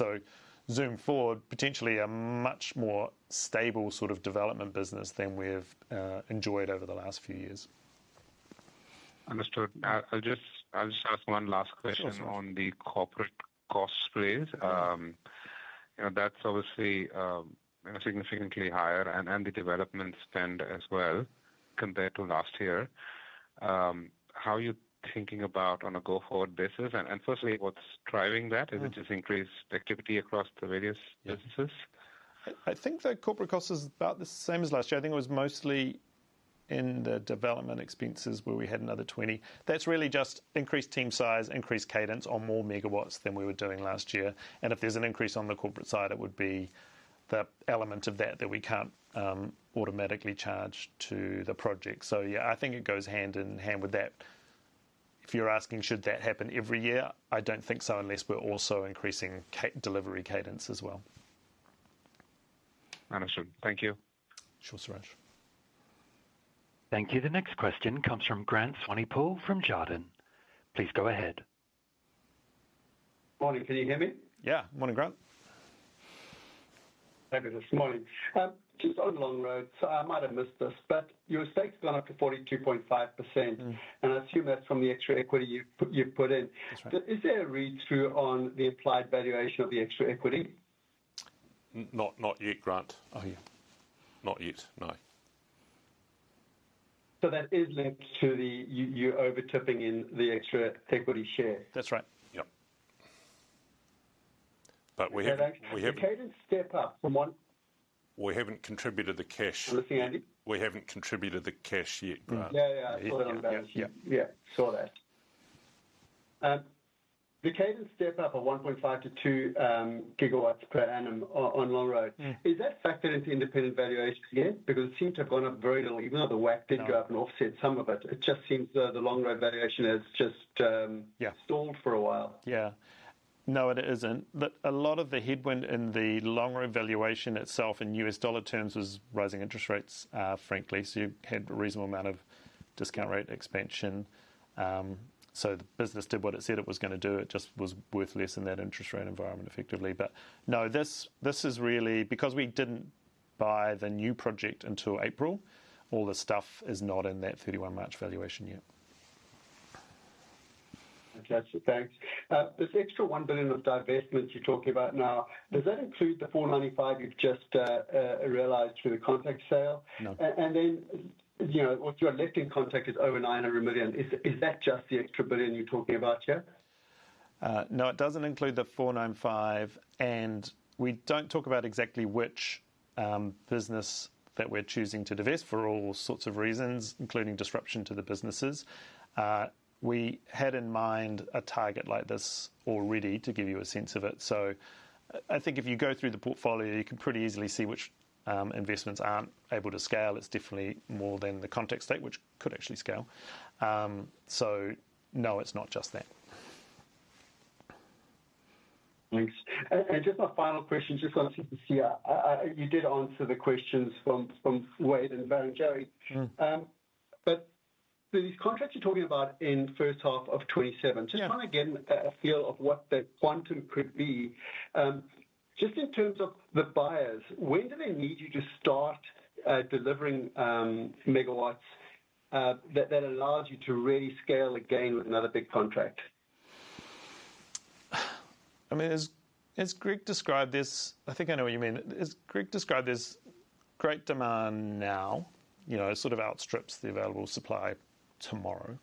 Zoom forward, potentially a much more stable sort of development business than we've enjoyed over the last few years. Understood. I'll just ask one last question— Sure. —on the corporate cost space. That's obviously significantly higher and the development spend as well compared to last year. How are you thinking about on a go-forward basis? Firstly, what's driving that? Is it just increased activity across the various businesses? I think the corporate cost is about the same as last year. I think it was mostly in the development expenses where we had another 20 million. That's really just increased team size, increased cadence on more megawatts than we were doing last year. If there's an increase on the corporate side, it would be that element of that that we can't automatically charge to the project. Yeah, I think it goes hand in hand with that. If you're asking should that happen every year, I don't think so, unless we're also increasing delivery cadence as well. Understood. Thank you. Sure, Suraj. Thank you. The next question comes from Grant Swanepoel from Jarden. Please go ahead. Morning. Can you hear me? Yeah. Morning, Grant. How are you this morning? Just on Longroad. I might have missed this, but your stake's gone up to 42.5%. I assume that's from the extra equity you put in. That's right. Is there a read-through on the applied valuation of the extra equity? Not yet, Grant. Okay. Not yet, no. That is linked to you over tipping in the extra equity share? That's right. Yep. The cadence step up from one— We haven't contributed the cash. [Sorry], Andy. We haven't contributed the cash yet, Grant. Yeah. Saw that. The cadence step up of 1.5 GW-2 GW per annum on Longroad is that factored into independent valuation yet? It seems to have gone up very little, even though the WACC did go up and offset some of it. It just seems the Longroad valuation has just— Yeah. —stalled for a while. No, it isn't. A lot of the headwind in the Longroad valuation itself in U.S. dollar terms is rising interest rates, frankly. You've had a reasonable amount of discount rate expansion. The business did what it said it was going to do. It just was worth less in that interest rate environment, effectively. No, this is really because we didn't buy the new project until April, all the stuff is not in that 31 March valuation yet. Understood. Thanks. This extra 1 billion of divestments you're talking about now, does that include the 495 million you've just realized through a contract sale? No. What you have left in contract is over 900 million. Is that just the extra 1 billion you're talking about here? No, it doesn't include the 495 million. We don't talk about exactly which business that we're choosing to divest for all sorts of reasons, including disruption to the businesses. We had in mind a target like this already to give you a sense of it. I think if you go through the portfolio, you can pretty easily see which investments aren't able to scale. It's definitely more than the contract state, which could actually scale. No, it's not just that. Thanks. Just a final question, just because you did answer the questions from Wade and Barrenjoey. The contract you're talking about in first half of 2027— Yeah. —just trying to get a feel of what the quantum could be. Just in terms of the buyers, when do they need you to start delivering megawatts that allows you to really scale again with another big contract? As Greg described this, I think I know what you mean. As Greg described, there's great demand now, sort of outstrips the available supply tomorrow.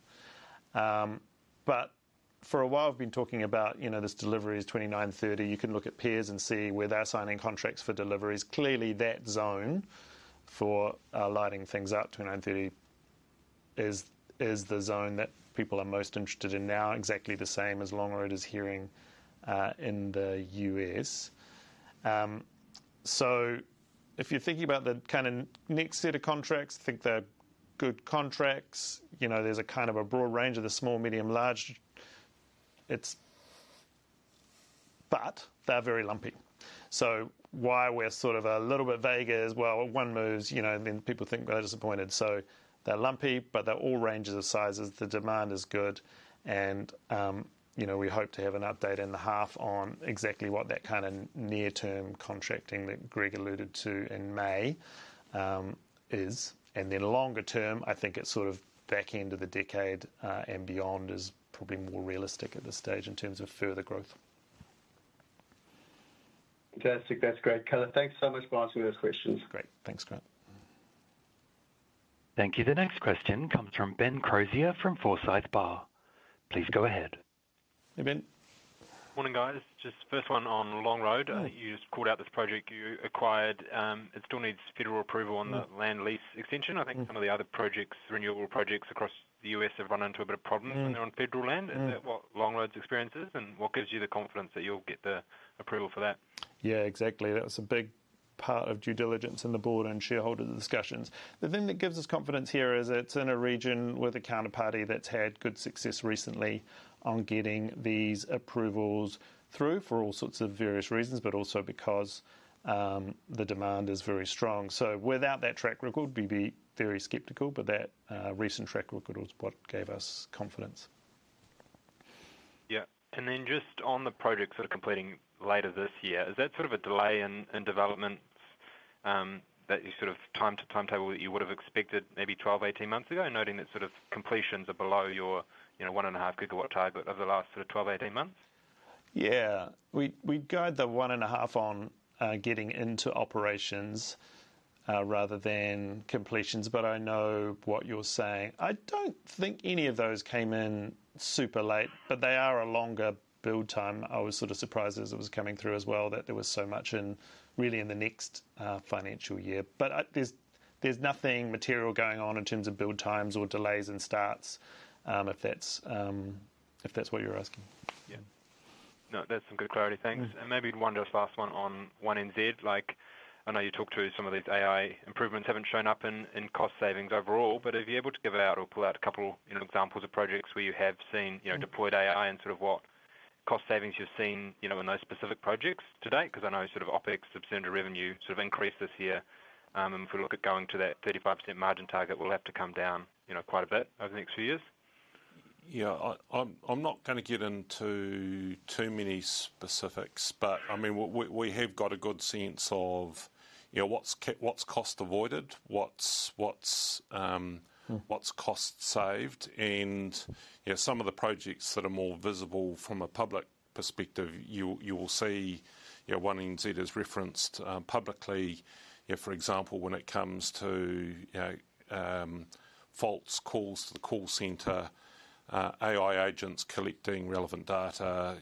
For a while we've been talking about this delivery is 2029, 2030. You can look at peers and see where they're signing contracts for deliveries. Clearly that zone for lighting things up, 2029, 2030, is the zone that people are most interested in now, exactly the same as Longroad is hearing in the U.S. If you're thinking about the next set of contracts, think they're good contracts. There's a broad range of the small, medium, large. They're very lumpy. Why we're sort of a little bit vague as well. One moves, and then people think we're disappointed. They're lumpy, but they're all ranges of sizes. The demand is good. We hope to have an update in the half on exactly what that kind of near-term contracting that Greg alluded to in May is. Longer term, I think it's sort of back end of the decade and beyond is probably more realistic at this stage in terms of further growth. Fantastic, that's great color. Thanks so much for answering those questions. Great. Thanks, Grant. Thank you. The next question comes from Ben Crozier from Forsyth Barr. Please go ahead. Hey, Ben. Morning, guys. Just this one on Longroad. You just pulled out this project you acquired. It still needs federal approval on the land lease extension. I think some of the other projects, renewable projects across the U.S. have run into a bit of problem around federal land. Is that what Longroad's experience is? What gives you the confidence that you'll get the approval for that? Exactly. That's a big part of due diligence in the board and shareholder discussions. The thing that gives us confidence here is it's in a region with a counterparty that's had good success recently on getting these approvals through for all sorts of various reasons, but also because the demand is very strong. Without that track record, we'd be very skeptical. That recent track record was what gave us confidence. Yeah. Then just on the projects that are completing later this year, is that sort of a delay in developments that you sort of time to time table you would've expected maybe 12, 18 months ago, noting that sort of completions are below your 1.5 GWh target over the last sort of 12, 18 months? Yeah. We guide the one and a half on getting into operations rather than completions, but I know what you're saying. I don't think any of those came in super late, but they are a longer build time. I was sort of surprised as it was coming through as well, that there was so much in really in the next financial year. There's nothing material going on in terms of build times or delays in starts if that's what you're asking. Yeah. No, that's some good clarity. Thanks. Maybe one just last one on One NZ. I know you talked through some of these AI improvements haven't shown up in cost savings overall, but are you able to give out or pull out a couple examples of projects where you have seen deployed AI and sort of what cost savings you've seen in those specific projects to date? I know sort of OpEx have turned to revenue sort of increased this year. If we look at going to that 35% margin target, we'll have to come down quite a bit over the next few years. I'm not going to get into too many specifics, but we have got a good sense of what's cost avoided, what's cost saved, and some of the projects that are more visible from a public perspective, you'll see One NZ is referenced publicly. For example, when it comes to false calls to the call center, AI agents collecting relevant data,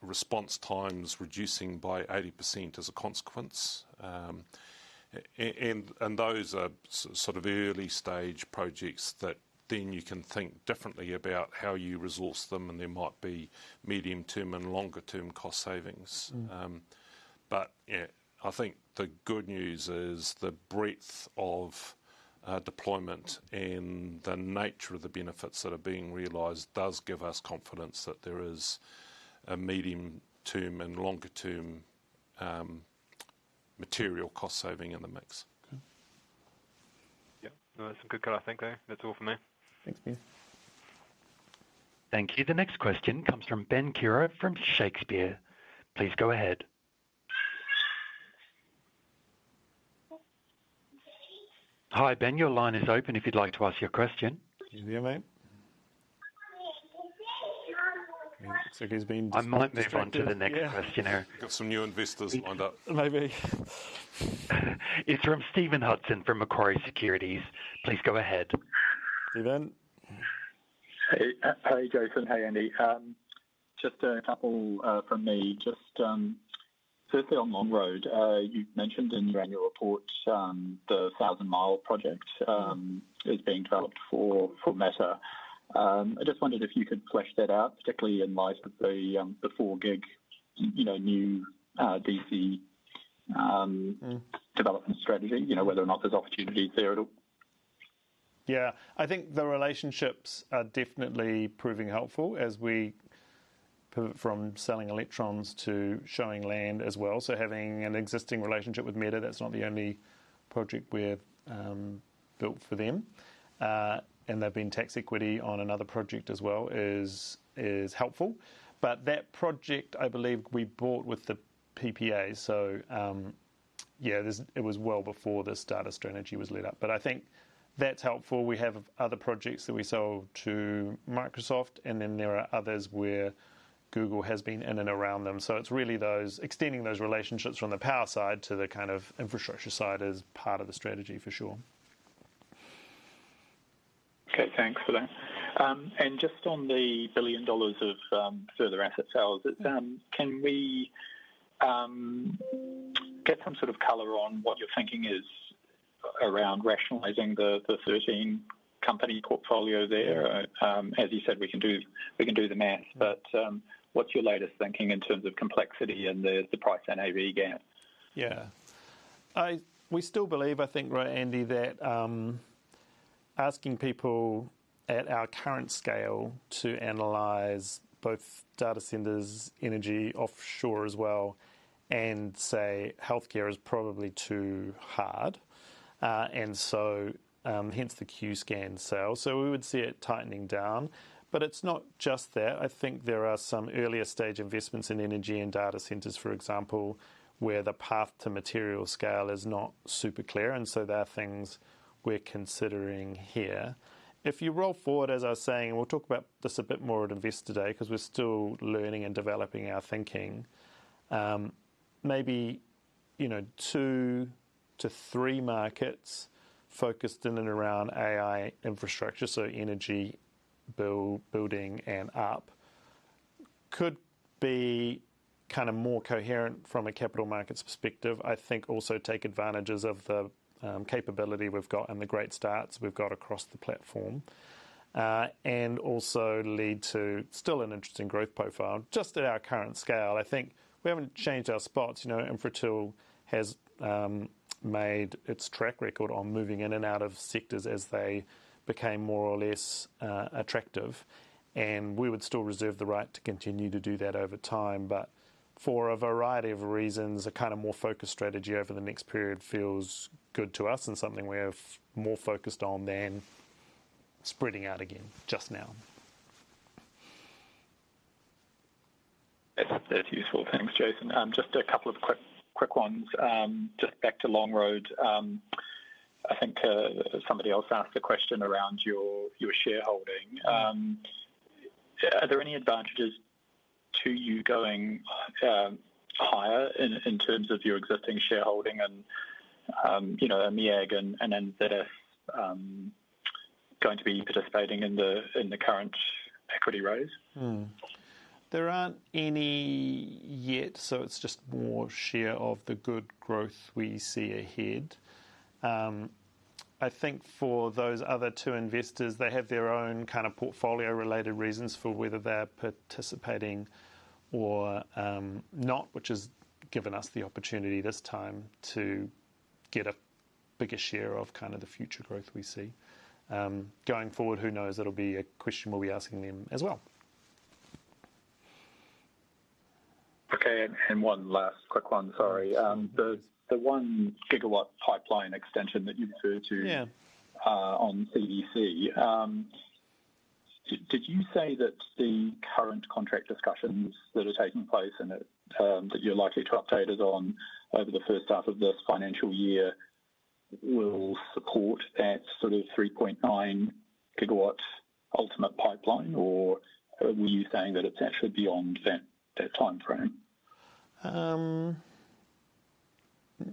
response times reducing by 80% as a consequence. Those are sort of early-stage projects that then you can think differently about how you resource them, and there might be medium-term and longer-term cost savings. I think the good news is the breadth of deployment and the nature of the benefits that are being realized does give us confidence that there is a medium-term and longer-term material cost saving in the mix. Yeah. No, that's a good color, thank you. That's all from me. Thank you. Thank you. The next question comes from [Ben Kure from Shakespir]. Please go ahead. Hi, Ben, your line is open if you'd like to ask your question. Can you hear me? I might move on to the next question here. Got some new investors lined up. Maybe. It's from Stephen Hudson from Macquarie Securities. Please go ahead. You there? Hey. Hey, Jason. Hey, Andy. Just a couple from me. Just specifically on Longroad, you've mentioned in the Annual Report the 1,000 Mile project is being developed for Meta. I just wondered if you could flesh that out, particularly in light of the 4 GW new CDC development strategy, whether or not there's opportunities there at all. Yeah. I think the relationships are definitely proving helpful as we pivot from selling electrons to showing land as well. Having an existing relationship with Meta, that's not the only project we've built for them. They've been tax equity on another project as well is helpful. That project, I believe we bought with the PPA, so yeah, it was well before this data strategy was laid out, but I think that's helpful. We have other projects that we sell to Microsoft, and then there are others where Google has been in and around them. It's really extending those relationships from the power side to the kind of infrastructure side as part of the strategy for sure. Okay, thanks for that. Just on the 1 billion dollars of further asset sales, can we get some sort of color on what your thinking is around rationalizing the 13 company portfolio there. As you said, we can do the math, but what's your latest thinking in terms of complexity and the price to NAV gap? We still believe, I think, right, Andy, that asking people at our current scale to analyze both data centers, energy, offshore as well, and say healthcare is probably too hard. Hence the Qscan sale. We would see it tightening down. It's not just that. I think there are some earlier stage investments in energy and data centers, for example, where the path to material scale is not super clear. There are things we're considering here. If you roll forward, as I was saying, we'll talk about this a bit more at Investor Day because we're still learning and developing our thinking. Maybe two to three markets focused in and around AI infrastructure, so energy, building, and up could be more coherent from a capital markets perspective. I think also take advantages of the capability we've got and the great starts we've got across the platform. Also lead to still an interesting growth profile. Just at our current scale, I think we haven't changed our spots. Infratil has made its track record on moving in and out of sectors as they became more or less attractive. We would still reserve the right to continue to do that over time. For a variety of reasons, a more focused strategy over the next period feels good to us and something we're more focused on than spreading out again just now. That's useful. Thanks, Jason. Just a couple of quick ones. Just back to Longroad. I think somebody else asked a question around your shareholding. Yeah. Are there any advantages to you going higher in terms of your existing shareholding and MEAG and Invest going to be participating in the current equity raise? There aren't any yet, it's just more share of the good growth we see ahead. I think for those other two investors, they have their own kind of portfolio related reasons for whether they're participating or not, which has given us the opportunity this time to get a bigger share of the future growth we see. Going forward, who knows, it'll be a question we'll be asking them as well. Okay. One last quick one, sorry. Yeah. The 1 GW pipeline extension that you referred to— Yeah —on CDC. Did you say that the current contract discussions that are taking place and that you're likely to update us on over the first half of this financial year will support that sort of 3.9 GW ultimate pipeline? Or were you saying that it's actually beyond that timeframe?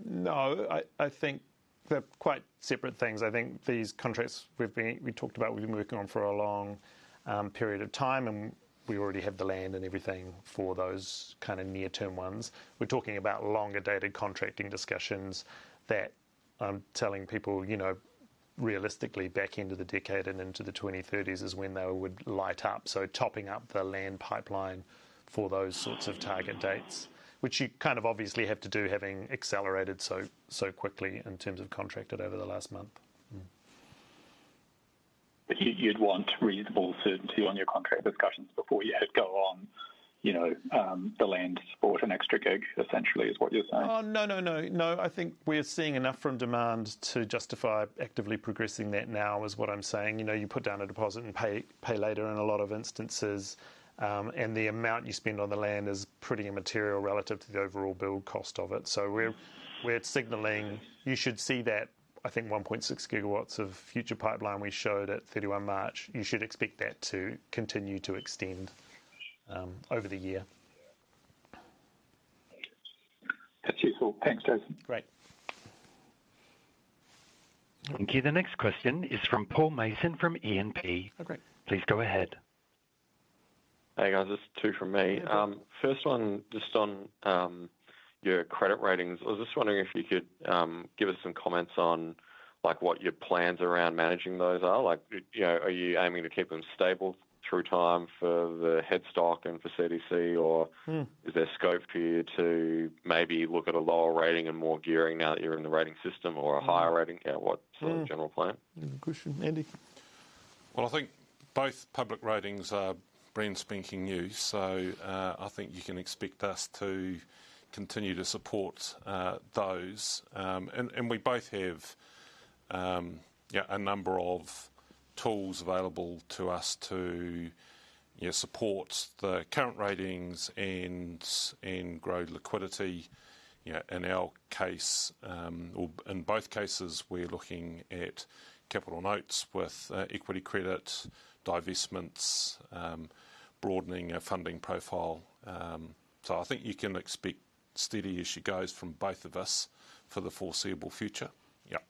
No, I think they're quite separate things. I think these contracts we talked about, we've been working on for a long period of time, and we already have the land and everything for those near-term ones. We're talking about longer-dated contracting discussions that I'm telling people realistically back into the decade and into the 2030s is when they would light up. Topping up the land pipeline for those sorts of target dates, which you kind of obviously have to do having accelerated so quickly in terms of contracted over the last month. You'd want reasonable certainty on your contract discussions before you go on the land support and extra CapEx essentially is what you're saying? No, no, no. I think we're seeing enough from demand to justify actively progressing that now is what I'm saying. You put down a deposit and pay later in a lot of instances. The amount you spend on the land is pretty material relative to the overall build cost of it. We're signaling you should see that, I think 1.6 GW of future pipeline we showed at 31 March. You should expect that to continue to extend over the year. That's useful. Thanks, Jason. Great. Okay. The next question is from Paul Mason from E&P. Okay. Please go ahead. Hey, guys. Just two from me. First one, just on your credit ratings. I was just wondering if you could give us some comments on what your plans around managing those are. Are you aiming to keep them stable through time for the head stock and for CDC? Or is there scope for you to maybe look at a lower rating and more gearing out here in the rating system or a higher rating? What's your general plan? Good question. Andy? Well, I think both public ratings are Baa2, so I think you can expect us to continue to support those. We both have a number of tools available to us to support the current ratings and grow liquidity. In our case or in both cases, we're looking at capital notes with equity credit, divestments, broadening our funding profile. I think you can expect steady as she goes from both of us for the foreseeable future. Yep.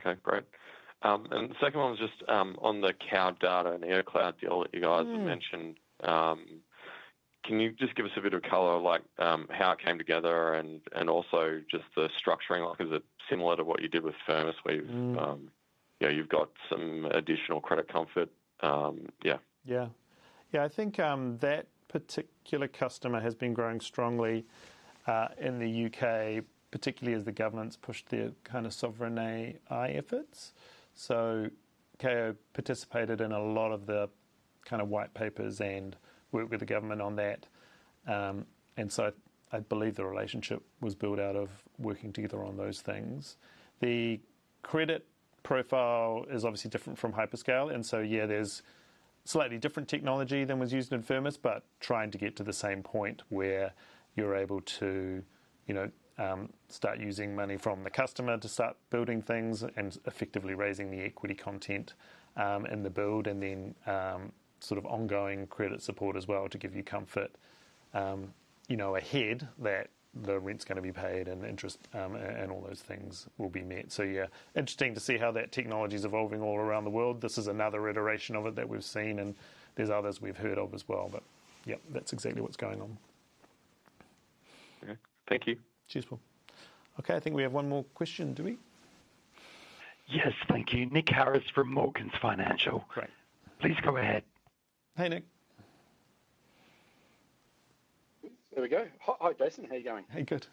Okay, great. The second one was just on the Kao Data and neocloud deal that you guys have mentioned. Can you just give us a bit of color, like how it came together and also just the structuring? Is it similar to what you did with Firmus where you've got some additional credit comfort? Yeah. Yeah. I think that particular customer has been growing strongly, in the U.K., particularly as the government's pushed their kind of sovereign AI efforts. Kao participated in a lot of the kind of white papers and worked with the government on that. I believe the relationship was built out of working together on those things. The credit profile is obviously different from hyperscale, and so yeah, there's slightly different technology than was used in Firmus, but trying to get to the same point where you're able to start using money from the customer to start building things and effectively raising the equity content, in the build, and then sort of ongoing credit support as well to give you comfort ahead that the rent's going to be paid and interest, and all those things will be met. Yeah, interesting to see how that technology's evolving all around the world. This is another iteration of it that we've seen, and there's others we've heard of as well. Yeah, that's exactly what's going on. Okay. Thank you. Cheers, Paul. Okay, I think we have one more question, do we? Yes. Thank you. Nick Harris from Morgans Financial. Great. Please go ahead. Hey, Nick. There we go. Hi, Jason. How are you going? Hey, good.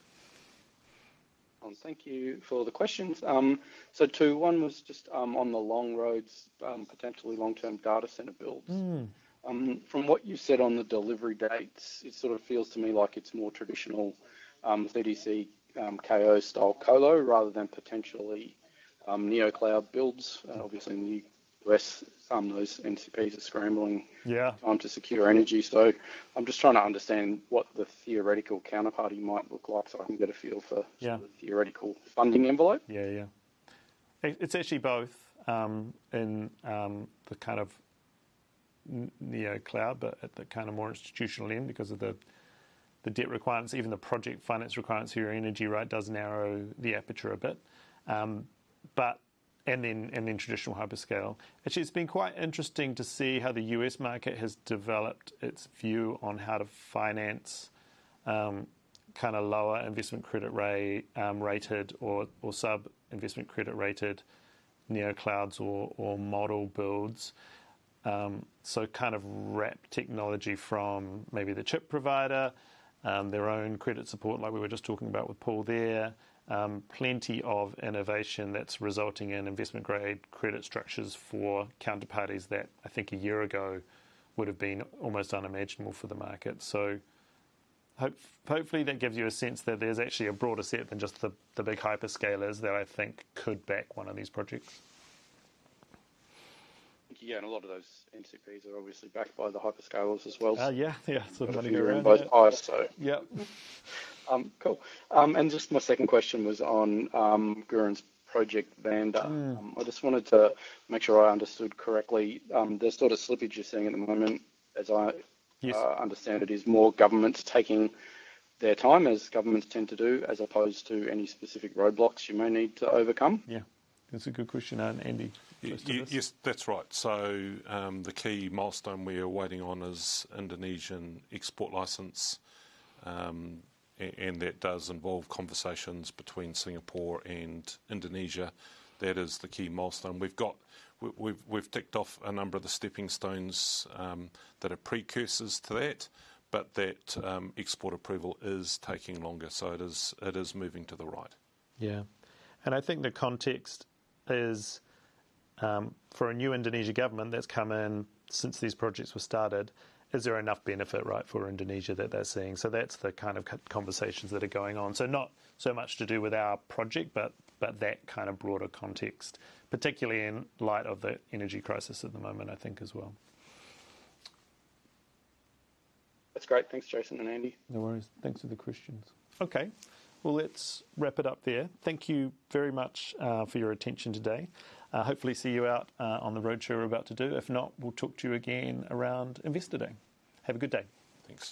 Well, thank you for the questions. Two, one was just on the Longroad's, potentially long-term data center builds. From what you said on the delivery dates, it sort of feels to me like it's more traditional, CDC Kao-style color rather than potentially neocloud builds. Obviously in the U.S., those NCPs are scrambling— Yeah. —trying to secure energy. I'm just trying to understand what the theoretical counterparty might look like— Yeah. —the theoretical funding envelope. Yeah. It's actually both, in the kind of neocloud, but at the kind of more institutional end because of the debt requirements, even the project finance requirements for your energy, right, does narrow the aperture a bit. Then traditional hyperscale. Actually, it's been quite interesting to see how the U.S. market has developed its view on how to finance kind of lower investment credit rated or sub-investment credit rated neoclouds or model builds. So kind of wrap technology from maybe the chip provider, their own credit support, like we were just talking about with Paul there. Plenty of innovation that's resulting in investment-grade credit structures for counterparties that I think a year ago would've been almost unimaginable for the market. Hopefully that gives you a sense that there's actually a broader set than just the big hyperscalers that I think could back one of these projects. Thank you. Yeah, a lot of those NCPs are obviously backed by the hyperscalers as well. Yeah. Sort of running around, yeah. Both halves, so. Yeah. Cool. Just my second question was on Gurīn's Project Vanda. I just wanted to make sure I understood correctly. The sort of slippage you're seeing at the moment as— Yes. —understand it, is more governments taking their time, as governments tend to do, as opposed to any specific roadblocks you may need to overcome? Yeah. That's a good question. Andy, do you want to start with this? Yes, that's right. The key milestone we are waiting on is Indonesian export license. That does involve conversations between Singapore and Indonesia. That is the key milestone. We've ticked off a number of the stepping stones that are precursors to that, but that export approval is taking longer, so it is moving to the right. I think the context is, for a new Indonesia government that's come in since these projects were started, is there enough benefit, right, for Indonesia that they're seeing? That's the kind of conversations that are going on. Not so much to do with our project, but that kind of broader context, particularly in light of the energy crisis at the moment, I think, as well. That's great. Thanks, Jason and Andy. No worries. Thanks for the questions. Okay. Well, let's wrap it up there. Thank you very much for your attention today. Hopefully see you out on the roadshow we're about to do. If not, we'll talk to you again around Investor Day. Have a good day. Thanks.